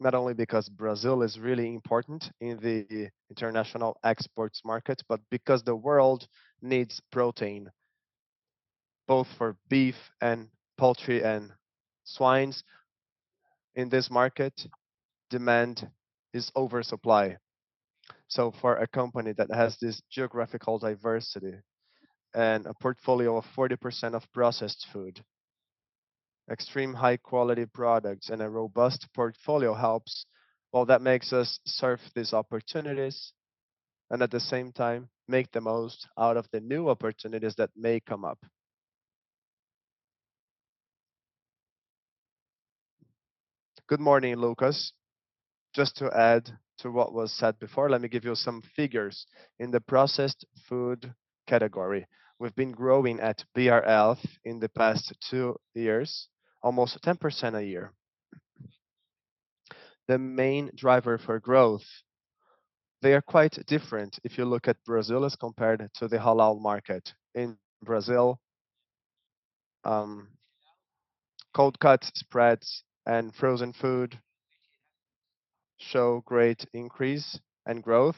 Not only because Brazil is really important in the international exports market, but because the world needs protein, both for beef and poultry and swine. In this market, demand is oversupply. So for a company that has this geographical diversity and a portfolio of 40% of processed food, extreme high-quality products, and a robust portfolio helps. That makes us serve these opportunities and at the same time make the most out of the new opportunities that may come up. Good morning, Lucas. Just to add to what was said before, let me give you some figures. In the processed food category, we've been growing at BRF in the past 2 years, almost 10% a year. The main driver for growth, they are quite different if you look at Brazil as compared to the halal market. In Brazil, cold cut spreads and frozen food show great increase and growth.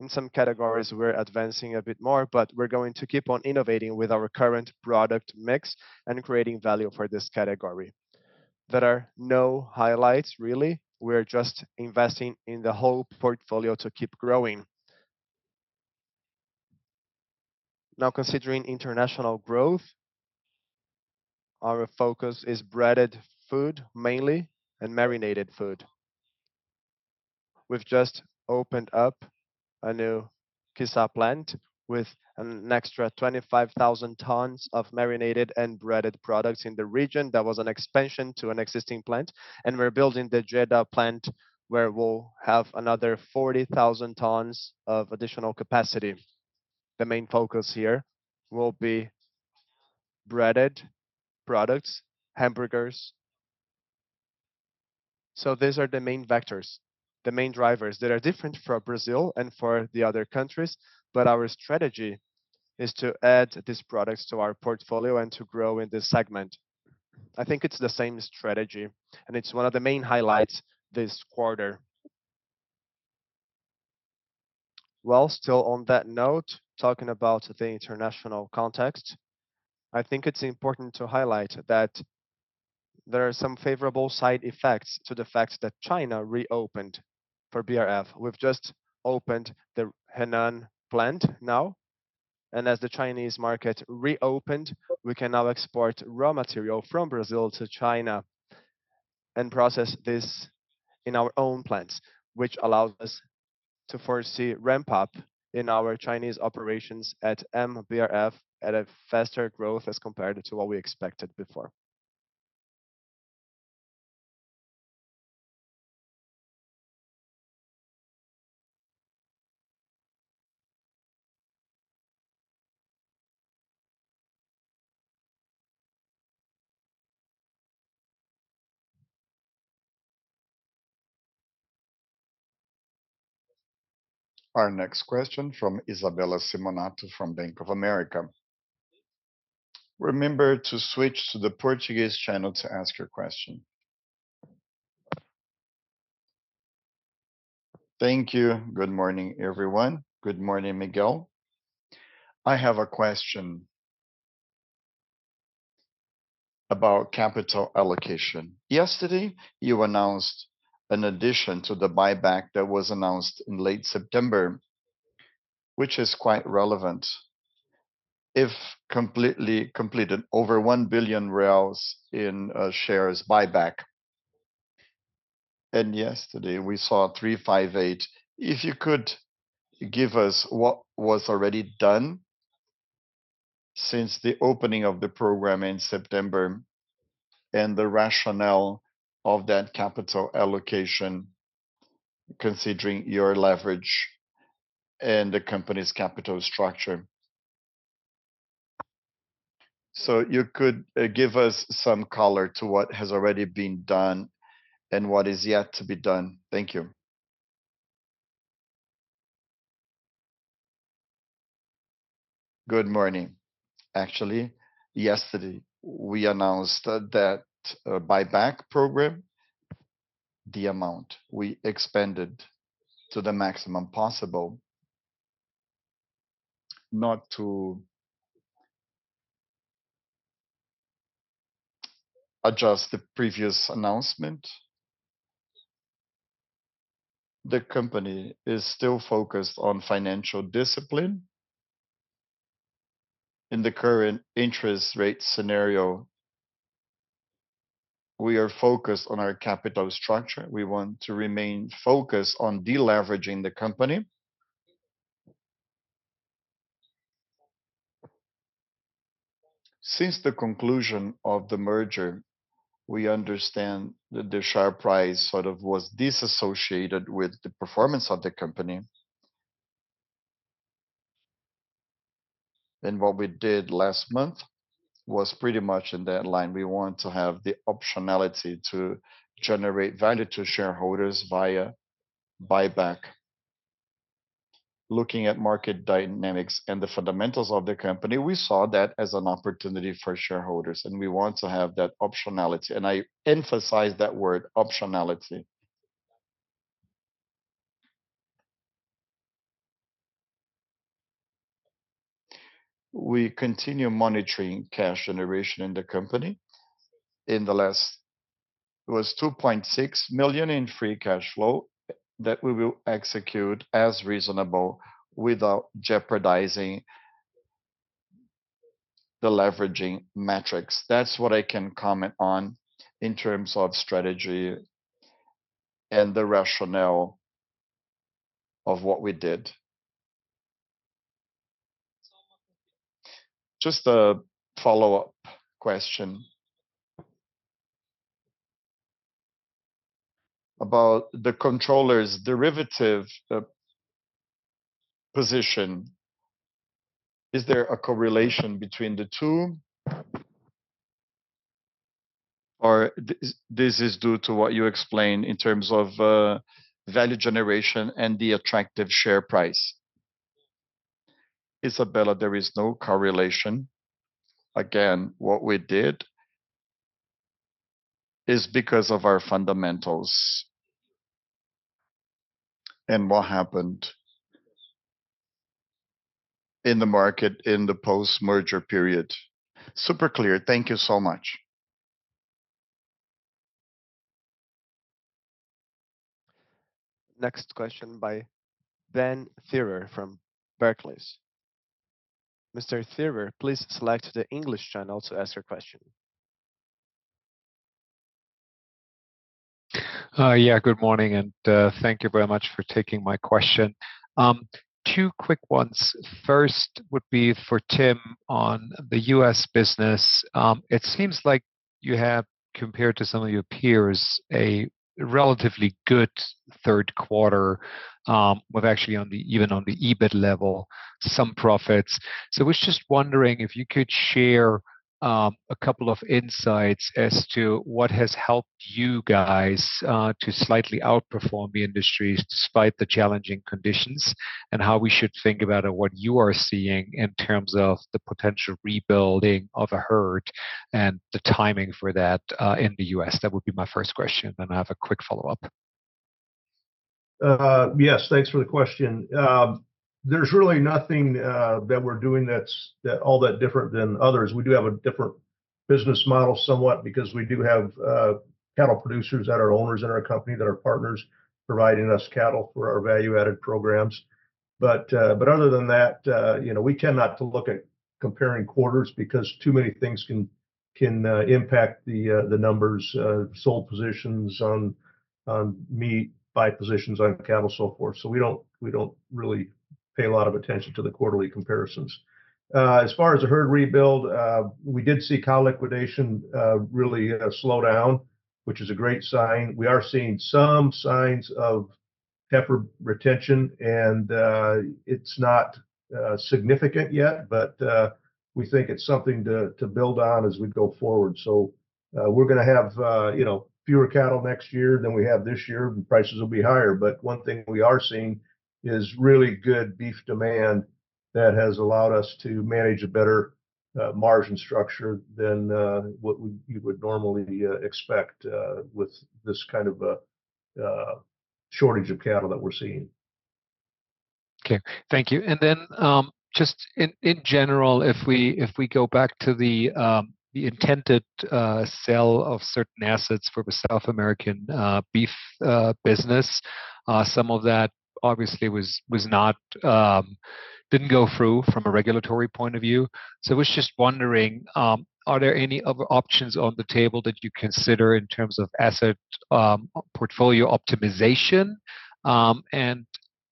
In some categories, we're advancing a bit more, but we're going to keep on innovating with our current product mix and creating value for this category. There are no highlights, really. We're just investing in the whole portfolio to keep growing. Now, considering international growth, our focus is breaded food mainly and marinated food. We've just opened up a new KEZAD plant with an extra 25,000 tons of marinated and breaded products in the region. That was an expansion to an existing plant, and we're building the Jeddah plant where we'll have another 40,000 tons of additional capacity. The main focus here will be breaded products, hamburgers, so these are the main vectors, the main drivers. They are different for Brazil and for the other countries, but our strategy is to add these products to our portfolio and to grow in this segment. I think it's the same strategy, and it's one of the main highlights this quarter. Still on that note, talking about the international context, I think it's important to highlight that there are some favorable side effects to the fact that China reopened for BRF. We've just opened the Henan plant now. And as the Chinese market reopened, we can now export raw material from Brazil to China and process this in our own plants, which allows us to foresee ramp-up in our Chinese operations at MBRF at a faster growth as compared to what we expected before. Our next question from Isabella Simonato from Bank of America. Remember to switch to the Portuguese channel to ask your question. Thank you. Good morning, everyone. Good morning, Miguel. I have a question about capital allocation. Yesterday, you announced an addition to the buyback that was announced in late September, which is quite relevant. If completely completed, over 1 billion reais in shares buyback. Yesterday, we saw 358. If you could give us what was already done since the opening of the program in September and the rationale of that capital allocation, considering your leverage and the company's capital structure. So you could give us some color to what has already been done and what is yet to be done. Thank you. Good morning. Actually, yesterday, we announced that buyback program, the amount we expended to the maximum possible, not to adjust the previous announcement. The company is still focused on financial discipline. In the current interest rate scenario, we are focused on our capital structure. We want to remain focused on deleveraging the company. Since the conclusion of the merger, we understand that the share price sort of was disassociated with the performance of the company. And what we did last month was pretty much in that line. We want to have the optionality to generate value to shareholders via buyback. Looking at market dynamics and the fundamentals of the company, we saw that as an opportunity for shareholders, and we want to have that optionality. And I emphasize that word, optionality. We continue monitoring cash generation in the company. In the last, it was 2.6 million in free cash flow that we will execute as reasonable without jeopardizing the leveraging metrics. That's what I can comment on in terms of strategy and the rationale of what we did. Just a follow-up question about the controllers' derivative position. Is there a correlation between the two, or this is due to what you explained in terms of value generation and the attractive share price? Isabella, there is no correlation. Again, what we did is because of our fundamentals and what happened in the market in the post-merger period. Super clear. Thank you so much. Next question by Ben Theurer from Barclays. Mr. Theurer, please select the English channel to ask your question. Yeah, good morning, and thank you very much for taking my question. Two quick ones. First would be for Tim on the U.S. business. It seems like you have, compared to some of your peers, a relatively good third quarter with actually even on the EBIT level, some profits. So we're just wondering if you could share a couple of insights as to what has helped you guys to slightly outperform the industry despite the challenging conditions and how we should think about what you are seeing in terms of the potential rebuilding of a herd and the timing for that in the U.S. That would be my first question, and I have a quick follow-up. Yes, thanks for the question. There's really nothing that we're doing that's all that different than others. We do have a different business model somewhat because we do have cattle producers that are owners in our company that are partners providing us cattle for our value-added programs. But other than that, we tend not to look at comparing quarters because too many things can impact the numbers, sold positions on meat, buy positions on cattle, so forth. So we don't really pay a lot of attention to the quarterly comparisons. As far as the herd rebuild, we did see cow liquidation really slow down, which is a great sign. We are seeing some signs of heifer retention, and it's not significant yet, but we think it's something to build on as we go forward. So we're going to have fewer cattle next year than we have this year, and prices will be higher. But one thing we are seeing is really good beef demand that has allowed us to manage a better margin structure than what you would normally expect with this kind of shortage of cattle that we're seeing. Okay. Thank you. And then just in general, if we go back to the intended sale of certain assets for the South America Beef business, some of that obviously didn't go through from a regulatory point of view. So I was just wondering, are there any other options on the table that you consider in terms of asset portfolio optimization? And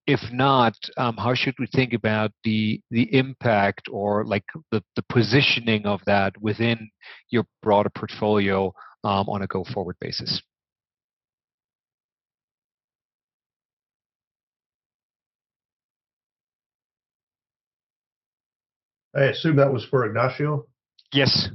if not, how should we think about the impact or the positioning of that within your broader portfolio on a go-forward basis? I assume that was for Ignácio? Yes.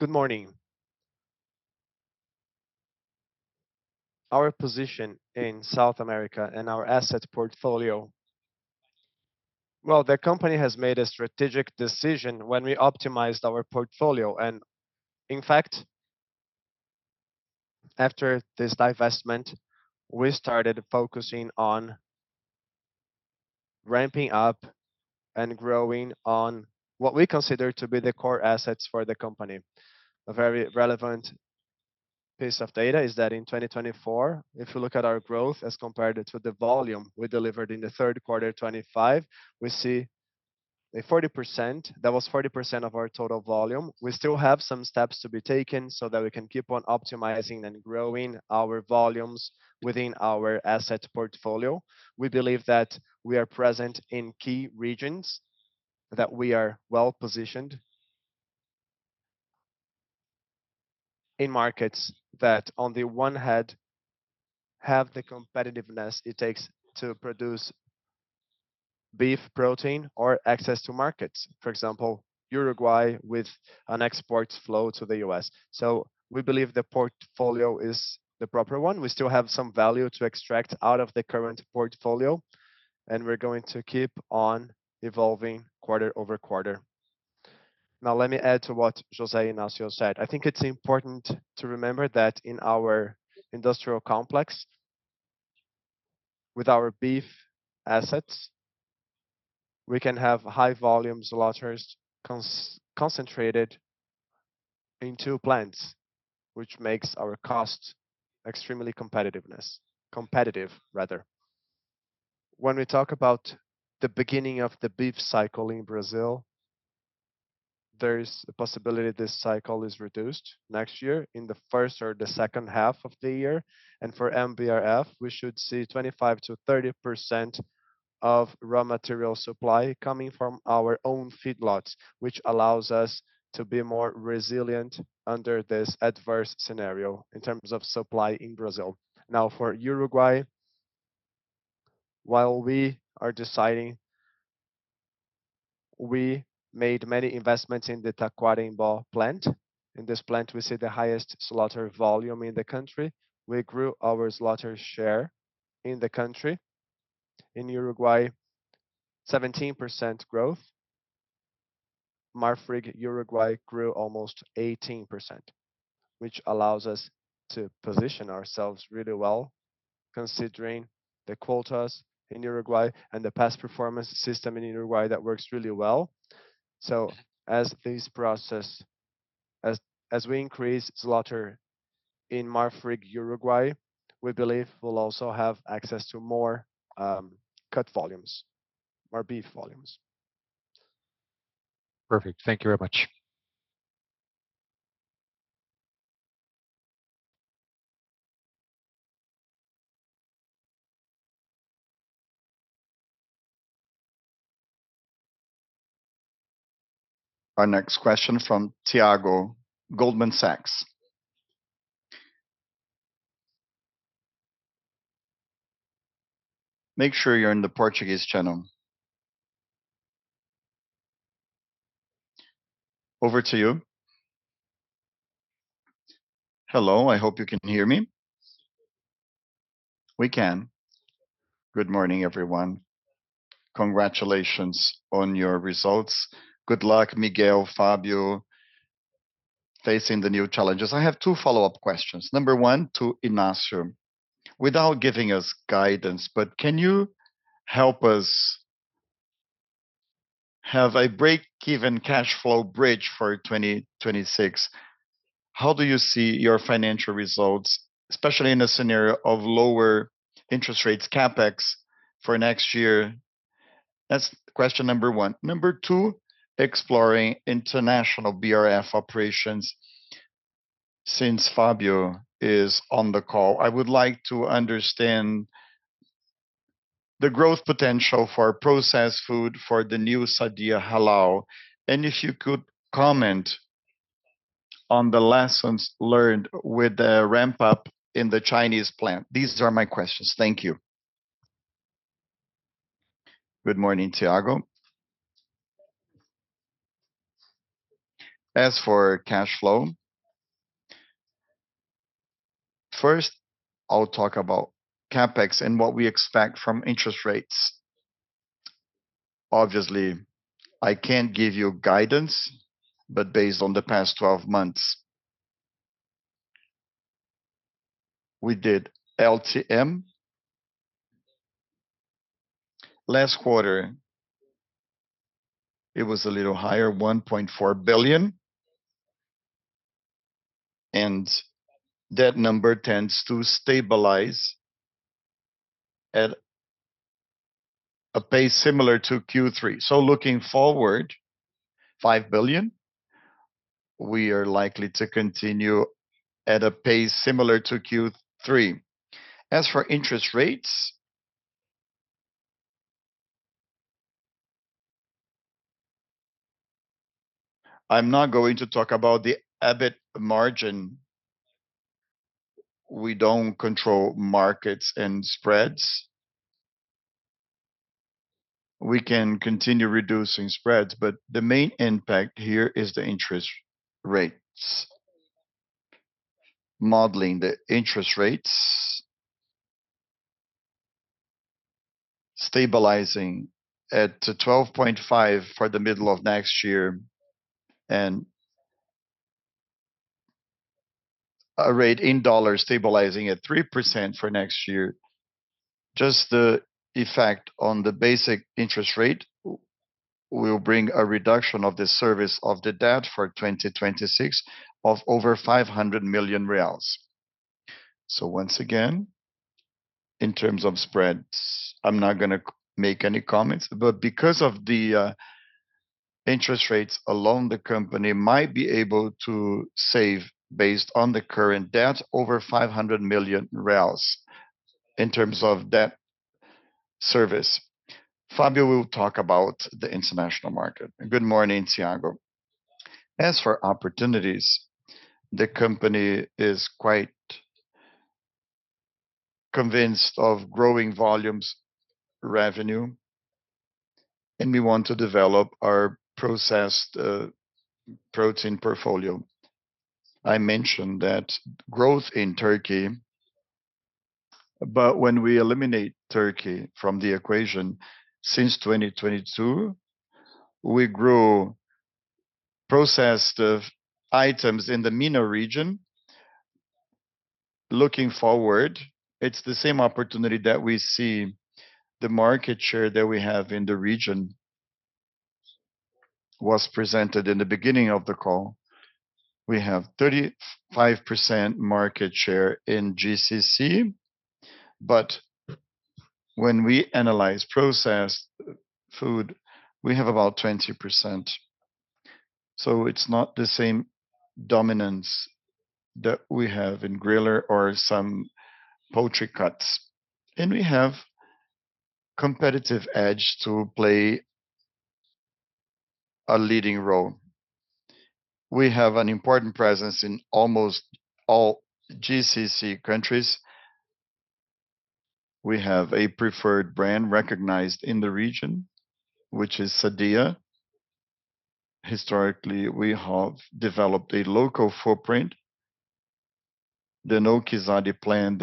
Good morning. Our position in South America and our asset portfolio. The company has made a strategic decision when we optimized our portfolio. In fact, after this divestment, we started focusing on ramping up and growing on what we consider to be the core assets for the company. A very relevant piece of data is that in 2024, if you look at our growth as compared to the volume we delivered in the third quarter 2025, we see a 40%. That was 40% of our total volume. We still have some steps to be taken so that we can keep on optimizing and growing our volumes within our asset portfolio. We believe that we are present in key regions, that we are well-positioned in markets that on the one hand have the competitiveness it takes to produce beef protein or access to markets, for example, Uruguay with an export flow to the U.S. So we believe the portfolio is the proper one. We still have some value to extract out of the current portfolio, and we're going to keep on evolving quarter-over-quarter. Now, let me add to what José Ignácio said. I think it's important to remember that in our industrial complex, with our beef assets, we can have high volume slaughters concentrated in two plants, which makes our cost extremely competitiveness, competitive rather. When we talk about the beginning of the beef cycle in Brazil, there is a possibility this cycle is reduced next year in the first or the second half of the year. And for MBRF, we should see 25%-30% of raw material supply coming from our own feedlots, which allows us to be more resilient under this adverse scenario in terms of supply in Brazil. Now, for Uruguay, while we are deciding, we made many investments in the Tacuarembó plant. In this plant, we see the highest slaughter volume in the country. We grew our slaughter share in the country. In Uruguay, 17% growth. Marfrig Uruguay grew almost 18%, which allows us to position ourselves really well considering the quotas in Uruguay and the past performance system in Uruguay that works really well. So as we increase slaughter in Marfrig Uruguay, we believe we'll also have access to more cut volumes, more beef volumes. Perfect. Thank you very much. Our next question from Thiago, Goldman Sachs. Make sure you're in the Portuguese channel. Over to you. Hello. I hope you can hear me. We can. Good morning, everyone. Congratulations on your results. Good luck, Miguel, Fábio, facing the new challenges. I have two follow-up questions. Number one to Ignácio, without giving us guidance, but can you help us have a break-even cash flow bridge for 2026? How do you see your financial results, especially in a scenario of lower interest rates, CapEx for next year? That's question number one. Number two, exploring international BRF operations since Fábio is on the call. I would like to understand the growth potential for processed food for the new Sadia Halal. And if you could comment on the lessons learned with the ramp-up in the Chinese plant. These are my questions. Thank you. Good morning, Thiago. As for cash flow, first, I'll talk about CapEx and what we expect from interest rates. Obviously, I can't give you guidance, but based on the past 12 months, we did LTM. Last quarter, it was a little higher, 1.4 billion. And that number tends to stabilize at a pace similar to Q3. So looking forward, 5 billion, we are likely to continue at a pace similar to Q3. As for interest rates, I'm not going to talk about the EBIT margin. We don't control markets and spreads. We can continue reducing spreads, but the main impact here is the interest rates. Modeling the interest rates, stabilizing at 12.5 for the middle of next year, and a rate in dollars stabilizing at 3% for next year. Just the effect on the basic interest rate will bring a reduction of the service of the debt for 2026 of over 500 million reais. So once again, in terms of spreads, I'm not going to make any comments, but because of the interest rates alone, the company might be able to save based on the current debt over 500 million BRL in terms of debt service. Fábio will talk about the international market. Good morning, Tiago. As for opportunities, the company is quite convinced of growing volumes revenue, and we want to develop our processed protein portfolio. I mentioned that growth in Turkey, but when we eliminate Turkey from the equation since 2022, we grew processed items in the MENA region. Looking forward, it's the same opportunity that we see the market share that we have in the region was presented in the beginning of the call. We have 35% market share in GCC, but when we analyze processed food, we have about 20%. So it's not the same dominance that we have in griller or some poultry cuts. And we have a competitive edge to play a leading role. We have an important presence in almost all GCC countries. We have a preferred brand recognized in the region, which is Sadia. Historically, we have developed a local footprint, the new KEZAD plant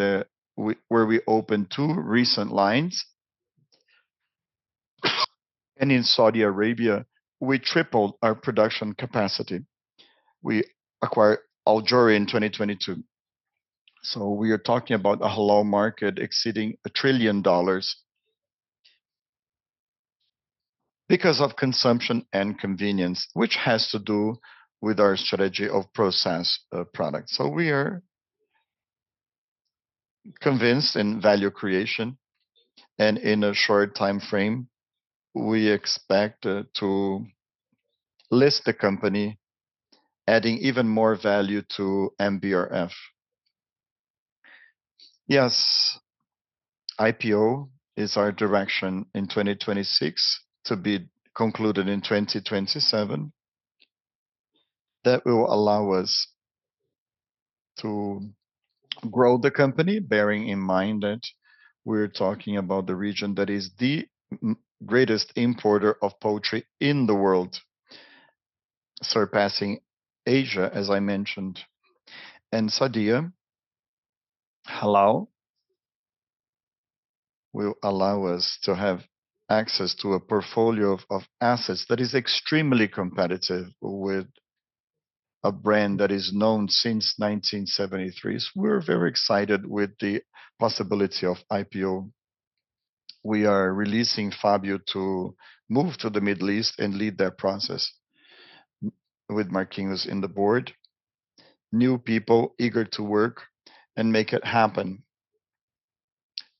where we opened two recent lines, and in Saudi Arabia, we tripled our production capacity. We acquired Al Joody in 2022, so we are talking about a halal market exceeding $1 trillion because of consumption and convenience, which has to do with our strategy of processed products, so we are convinced in value creation, and in a short time frame, we expect to list the company, adding even more value to MBRF. Yes, IPO is our direction in 2026 to be concluded in 2027. That will allow us to grow the company, bearing in mind that we're talking about the region that is the greatest importer of poultry in the world, surpassing Asia, as I mentioned. Sadia Halal will allow us to have access to a portfolio of assets that is extremely competitive with a brand that is known since 1973. We're very excited with the possibility of IPO. We are releasing Fábio to move to the Middle East and lead that process with Marquinhos in the Board. New people eager to work and make it happen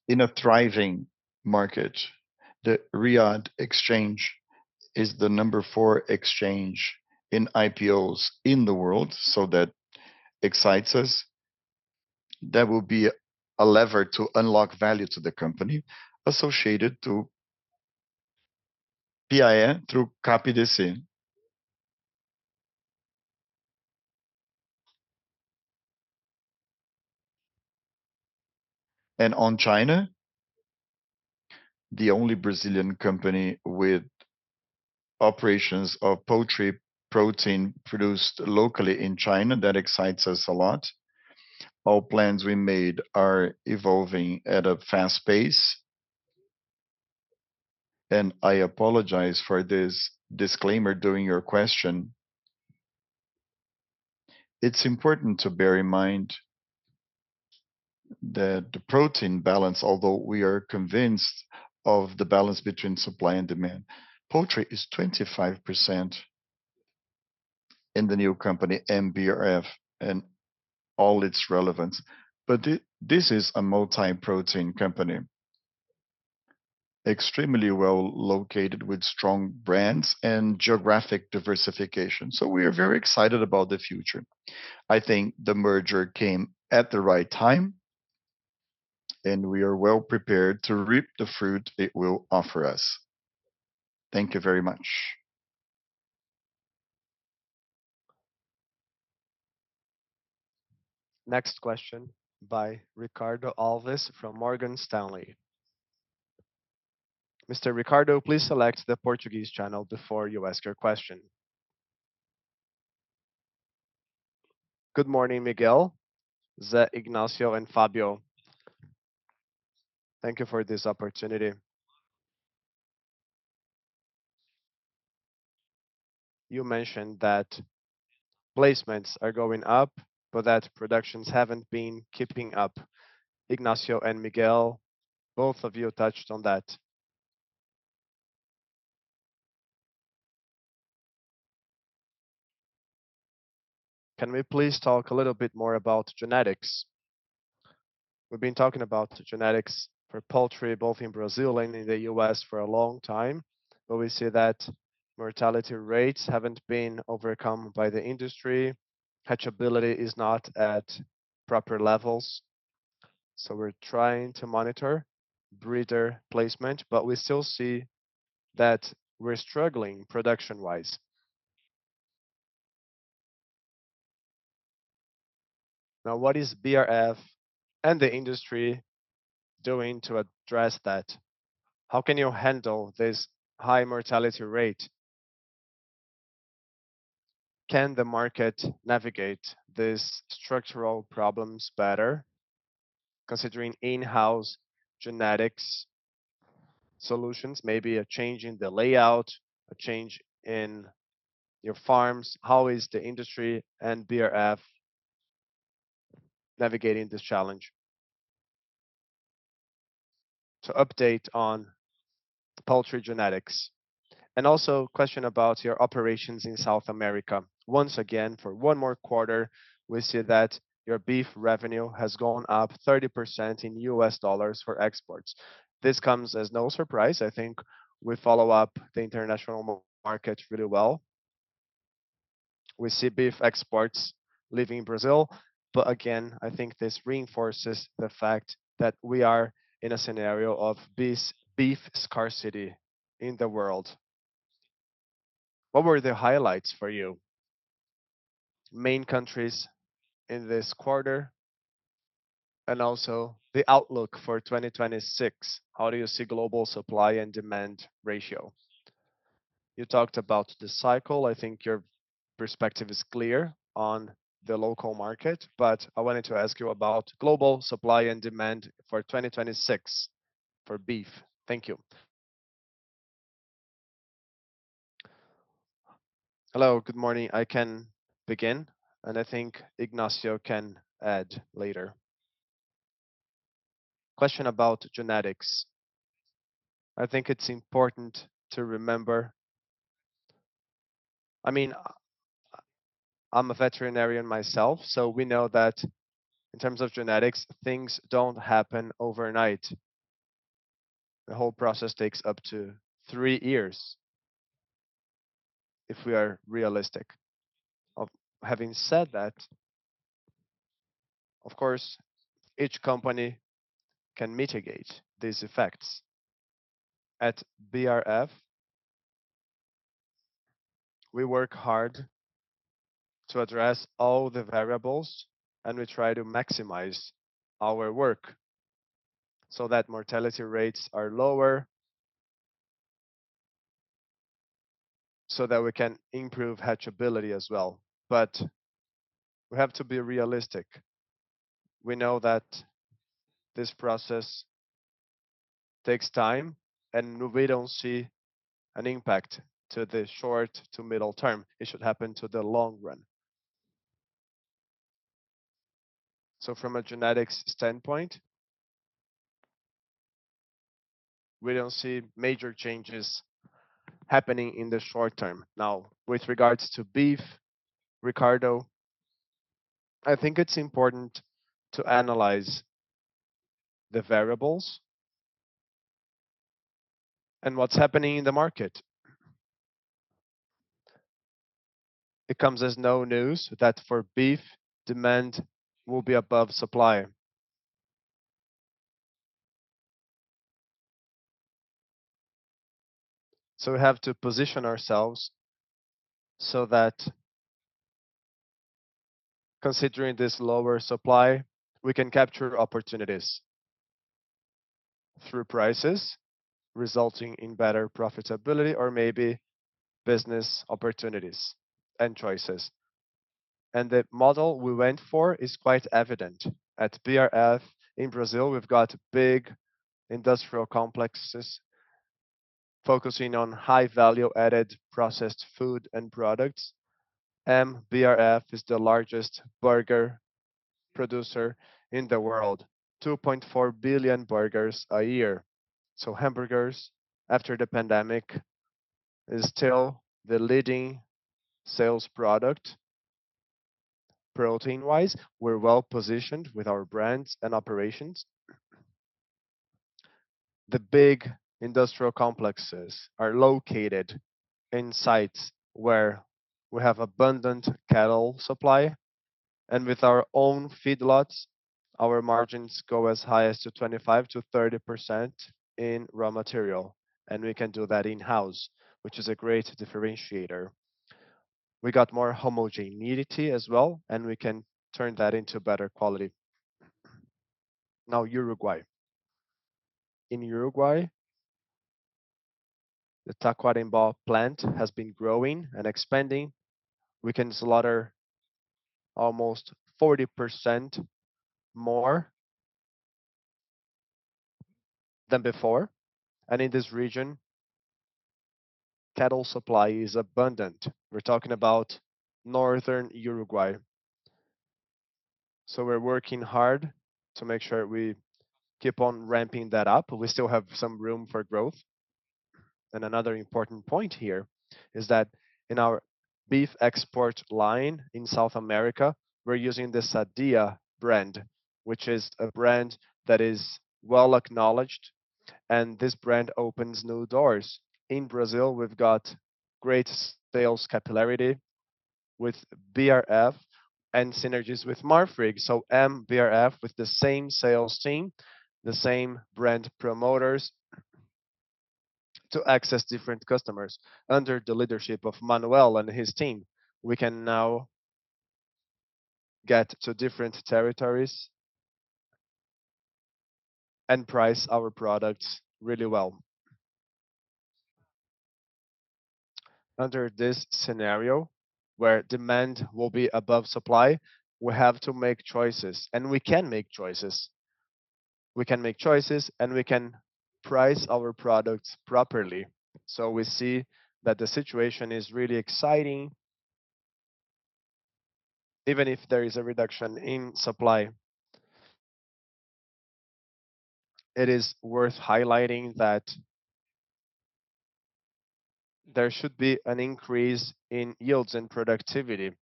in a thriving market. The Riyadh Exchange is the number four exchange in IPOs in the world, so that excites us. That will be a lever to unlock value to the company associated to PIF through HPDC. On China, the only Brazilian company with operations of poultry protein produced locally in China that excites us a lot. All plans we made are evolving at a fast pace. I apologize for this disclaimer during your question. It's important to bear in mind that the protein balance, although we are convinced of the balance between supply and demand. Poultry is 25% in the new company MBRF and all its relevance. But this is a multi-protein company, extremely well-located with strong brands and geographic diversification. So we are very excited about the future. I think the merger came at the right time, and we are well-prepared to reap the fruit it will offer us. Thank you very much. Next question by Ricardo Alves from Morgan Stanley. Mr. Ricardo, please select the Portuguese channel before you ask your question. Good morning, Miguel, Ignácio, and Fábio. Thank you for this opportunity. You mentioned that placements are going up, but that productions haven't been keeping up. Ignácio and Miguel, both of you touched on that. Can we please talk a little bit more about genetics? We've been talking about genetics for poultry both in Brazil and in the U.S. for a long time, but we see that mortality rates haven't been overcome by the industry. Hatchability is not at proper levels. So we're trying to monitor breeder placement, but we still see that we're struggling production-wise. Now, what is BRF and the industry doing to address that? How can you handle this high mortality rate? Can the market navigate these structural problems better considering in-house genetics solutions, maybe a change in the layout, a change in your farms? How is the industry and BRF navigating this challenge? To update on poultry genetics. And also a question about your operations in South America. Once again, for one more quarter, we see that your beef revenue has gone up 30% in U.S. dollars for exports. This comes as no surprise. I think we follow up the international market really well. We see beef exports leaving Brazil. But again, I think this reinforces the fact that we are in a scenario of beef scarcity in the world. What were the highlights for you? Main countries in this quarter and also the outlook for 2026. How do you see global supply and demand ratio? You talked about the cycle. I think your perspective is clear on the local market, but I wanted to ask you about global supply and demand for 2026 for beef. Thank you. Hello, good morning. I can begin, and I think Ignácio can add later. Question about genetics. I think it's important to remember. I mean, I'm a veterinarian myself, so we know that in terms of genetics, things don't happen overnight. The whole process takes up to 3 years if we are realistic. Having said that, of course, each company can mitigate these effects. At BRF, we work hard to address all the variables, and we try to maximize our work so that mortality rates are lower so that we can improve hatchability as well. But we have to be realistic. We know that this process takes time, and we don't see an impact to the short to middle term. It should happen to the long run. So from a genetics standpoint, we don't see major changes happening in the short term. Now, with regards to beef, Ricardo, I think it's important to analyze the variables and what's happening in the market. It comes as no news that for beef, demand will be above supply. So we have to position ourselves so that considering this lower supply, we can capture opportunities through prices resulting in better profitability or maybe business opportunities and choices. The model we went for is quite evident. At BRF in Brazil, we've got big industrial complexes focusing on high-value-added processed food and products. BRF is the largest burger producer in the world, 2.4 billion burgers a year. Hamburgers, after the pandemic, is still the leading sales product. Protein-wise, we're well-positioned with our brands and operations. The big industrial complexes are located in sites where we have abundant cattle supply. With our own feedlots, our margins go as high as 25%-30% in raw material. We can do that in-house, which is a great differentiator. We got more homogeneity as well, and we can turn that into better quality. Now, Uruguay. In Uruguay, the Tacuarembó plant has been growing and expanding. We can slaughter almost 40% more than before. In this region, cattle supply is abundant. We're talking about northern Uruguay. We're working hard to make sure we keep on ramping that up. We still have some room for growth. Another important point here is that in our beef export line in South America, we're using the Sadia brand, which is a brand that is well-acknowledged. This brand opens new doors. In Brazil, we've got great sales capillarity with BRF and synergies with Marfrig. MBRF with the same sales team, the same brand promoters to access different customers. Under the leadership of Manoel and his team, we can now get to different territories and price our products really well. Under this scenario, where demand will be above supply, we have to make choices. We can make choices. We can make choices, and we can price our products properly. We see that the situation is really exciting. Even if there is a reduction in supply, it is worth highlighting that there should be an increase in yields and productivity.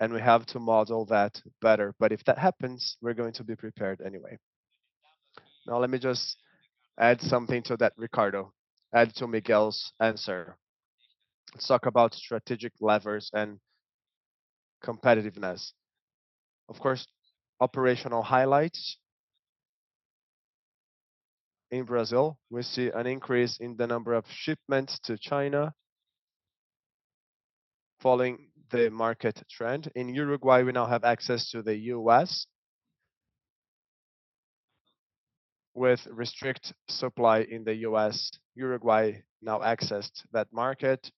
And we have to model that better. But if that happens, we're going to be prepared anyway. Now, let me just add something to that, Ricardo. Add to Miguel's answer. Let's talk about strategic levers and competitiveness. Of course, operational highlights. In Brazil, we see an increase in the number of shipments to China following the market trend. In Uruguay, we now have access to the U.S. with restricted supply in the U.S. Uruguay now accessed that market.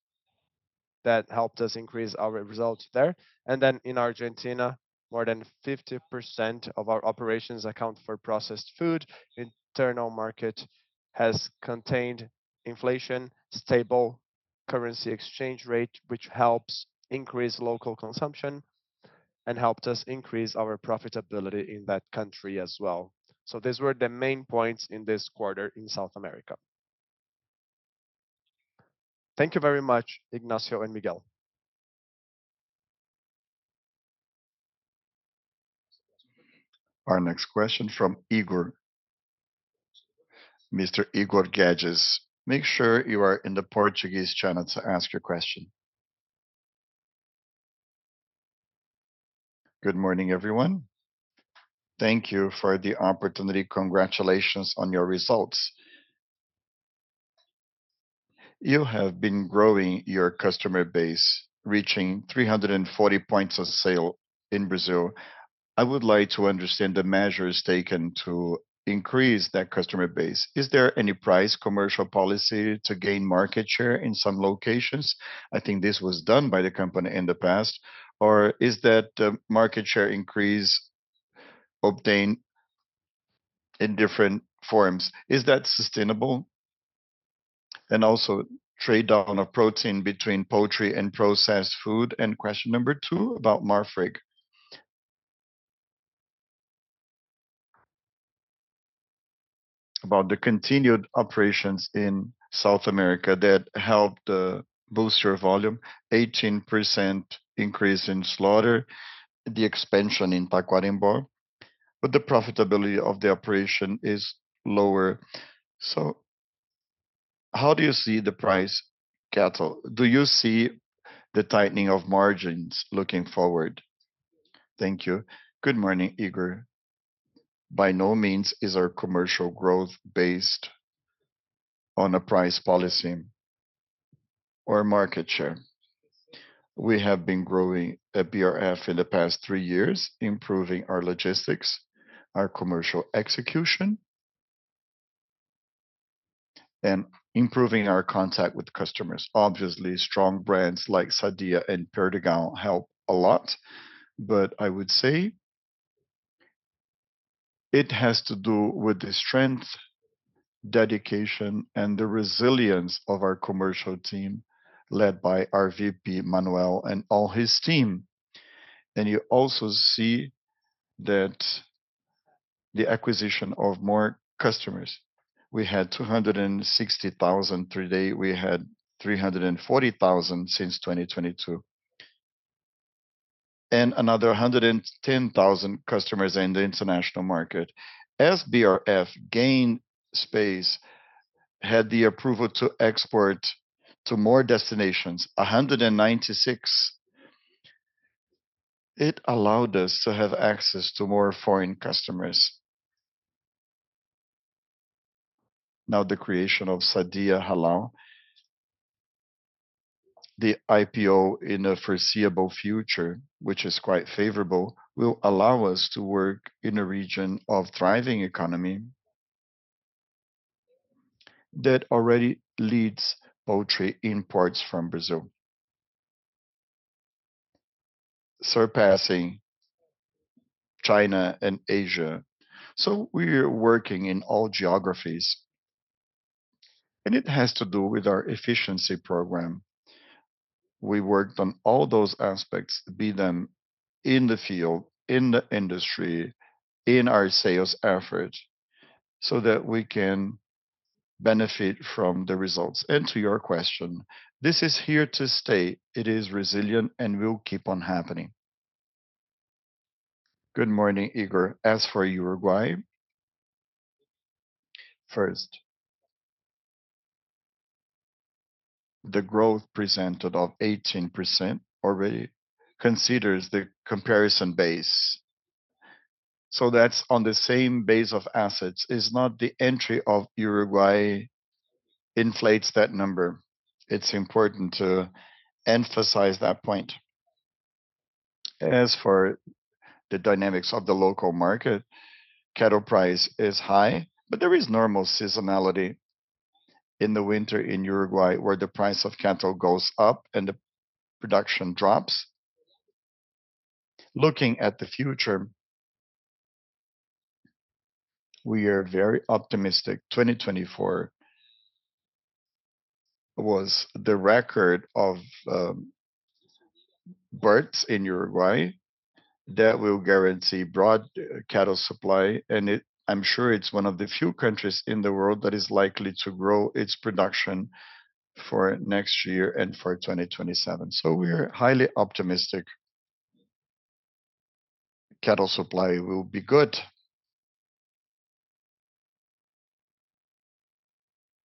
That helped us increase our results there. And then in Argentina, more than 50% of our operations account for processed food. Internal market has contained inflation, stable currency exchange rate, which helps increase local consumption and helped us increase our profitability in that country as well. So these were the main points in this quarter in South America. Thank you very much, Ignácio and Miguel. Our next question from Igor. Mr. Igor Guedes, make sure you are in the Portuguese channel to ask your question. Good morning, everyone. Thank you for the opportunity. Congratulations on your results. You have been growing your customer base, reaching 340 points of sale in Brazil. I would like to understand the measures taken to increase that customer base. Is there any price commercial policy to gain market share in some locations? I think this was done by the company in the past. Or is that the market share increase obtained in different forms? Is that sustainable? And also trade-off of protein between poultry and processed food? And question number two about Marfrig. About the continued operations in South America that helped boost your volume, 18% increase in slaughter, the expansion in Tacuarembó. But the profitability of the operation is lower. So how do you see the price cattle? Do you see the tightening of margins looking forward? Thank you. Good morning, Igor. By no means is our commercial growth based on a price policy or market share. We have been growing at BRF in the past 3 years, improving our logistics, our commercial execution, and improving our contact with customers. Obviously, strong brands like Sadia and Perdigão help a lot, but I would say it has to do with the strength, dedication, and the resilience of our commercial team led by our VP Manoel and all his team. And you also see that the acquisition of more customers. We had 260,000 today. We had 340,000 since 2022. And another 110,000 customers in the international market. As BRF gained space, had the approval to export to more destinations, 196, it allowed us to have access to more foreign customers. Now, the creation of Sadia Halal, the IPO in a foreseeable future, which is quite favorable, will allow us to work in a region of thriving economy that already leads poultry imports from Brazil, surpassing China and Asia. So we are working in all geographies. And it has to do with our efficiency program. We worked on all those aspects, be them in the field, in the industry, in our sales effort, so that we can benefit from the results. And to your question, this is here to stay. It is resilient and will keep on happening. Good morning, Igor. As for Uruguay, first, the growth presented of 18% already considers the comparison base. So that's on the same base of assets. It's not the entry of Uruguay inflates that number. It's important to emphasize that point. As for the dynamics of the local market, cattle price is high, but there is normal seasonality in the winter in Uruguay where the price of cattle goes up and the production drops. Looking at the future, we are very optimistic. 2024 was the record of births in Uruguay that will guarantee broad cattle supply, and I'm sure it's one of the few countries in the world that is likely to grow its production for next year and for 2027, so we're highly optimistic. Cattle supply will be good,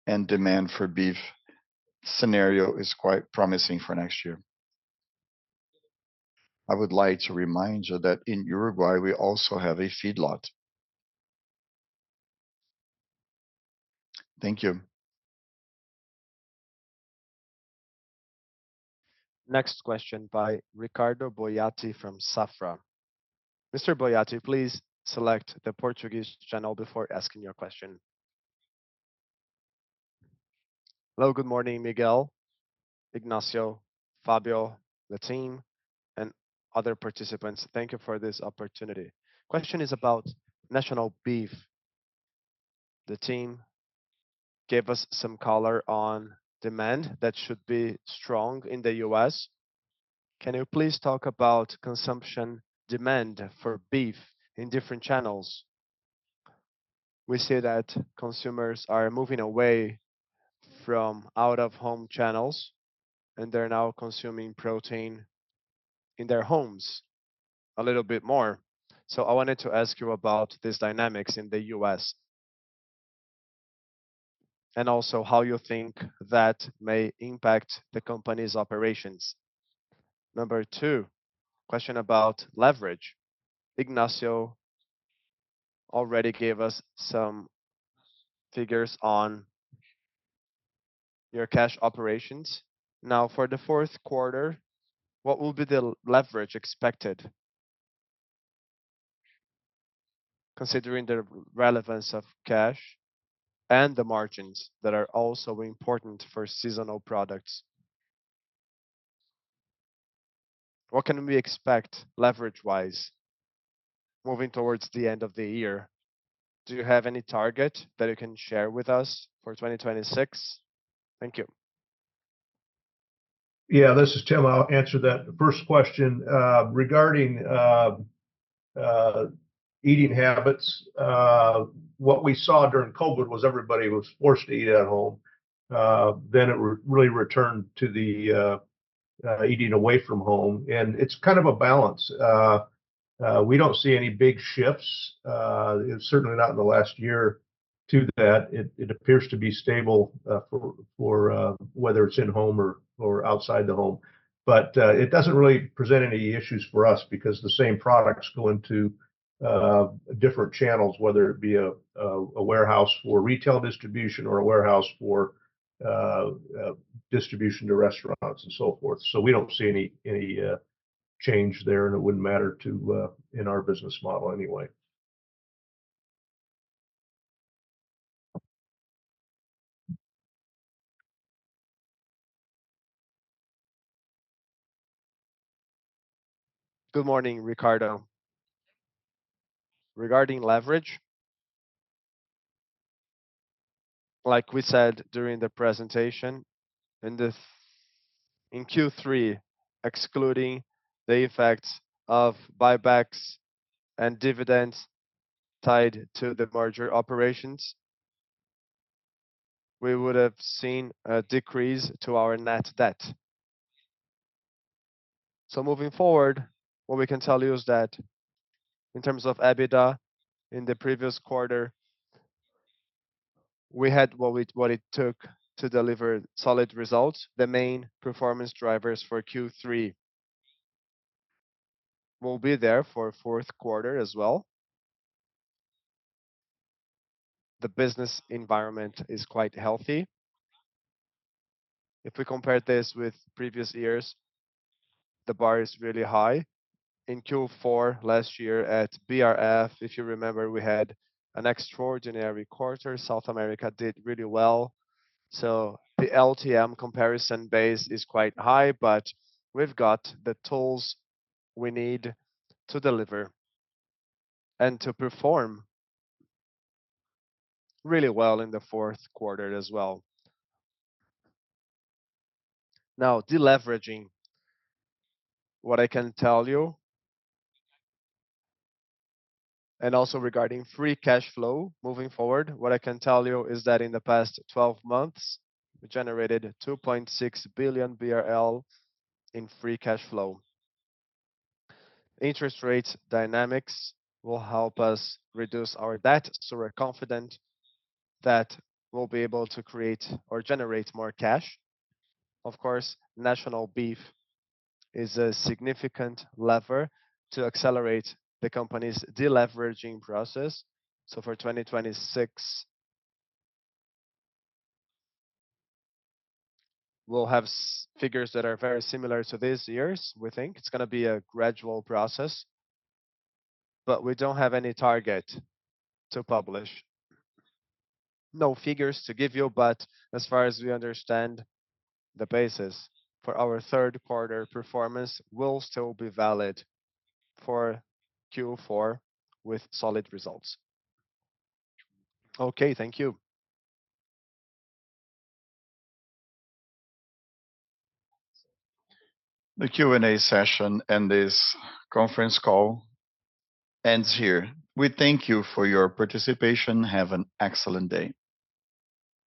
and demand for beef scenario is quite promising for next year. I would like to remind you that in Uruguay, we also have a feedlot. Thank you. Next question by Ricardo Boiati from Safra. Mr. Boiati, please select the Portuguese channel before asking your question. Hello, good morning, Miguel, Ignácio, Fábio, the team, and other participants. Thank you for this opportunity. Question is about National Beef. The team gave us some color on demand that should be strong in the U.S. Can you please talk about consumption demand for beef in different channels? We see that consumers are moving away from out-of-home channels, and they're now consuming protein in their homes a little bit more. So I wanted to ask you about these dynamics in the U.S. and also how you think that may impact the company's operations. Number two, question about leverage. Ignácio already gave us some figures on your cash operations. Now, for the fourth quarter, what will be the leverage expected? Considering the relevance of cash and the margins that are also important for seasonal products, what can we expect leverage-wise moving towards the end of the year? Do you have any target that you can share with us for 2026? Thank you. Yeah, this is Tim. I'll answer that. The first question regarding eating habits, what we saw during COVID was everybody was forced to eat at home. Then it really returned to the eating away from home. And it's kind of a balance. We don't see any big shifts, certainly not in the last year to that. It appears to be stable for whether it's in home or outside the home. But it doesn't really present any issues for us because the same products go into different channels, whether it be a warehouse for retail distribution or a warehouse for distribution to restaurants and so forth. So we don't see any change there, and it wouldn't matter to our business model anyway. Good morning, Ricardo. Regarding leverage, like we said during the presentation, in Q3, excluding the effects of buybacks and dividends tied to the merger operations, we would have seen a decrease in our net debt, so moving forward, what we can tell you is that in terms of EBITDA in the previous quarter, we had what it took to deliver solid results. The main performance drivers for Q3 will be there for fourth quarter as well. The business environment is quite healthy. If we compare this with previous years, the bar is really high. In Q4 last year at BRF, if you remember, we had an extraordinary quarter. South America did really well. The LTM comparison base is quite high, but we've got the tools we need to deliver and to perform really well in the fourth quarter as well. Now, deleveraging, what I can tell you, and also regarding free cash flow moving forward, what I can tell you is that in the past 12 months, we generated 2.6 billion BRL in free cash flow. Interest rate dynamics will help us reduce our debt, so we're confident that we'll be able to create or generate more cash. Of course, National Beef is a significant lever to accelerate the company's deleveraging process. So for 2026, we'll have figures that are very similar to this year. We think it's going to be a gradual process, but we don't have any target to publish. No figures to give you, but as far as we understand, the basis for our third quarter performance will still be valid for Q4 with solid results. Okay, thank you. The Q&A session and this conference call ends here. We thank you for your participation. Have an excellent day.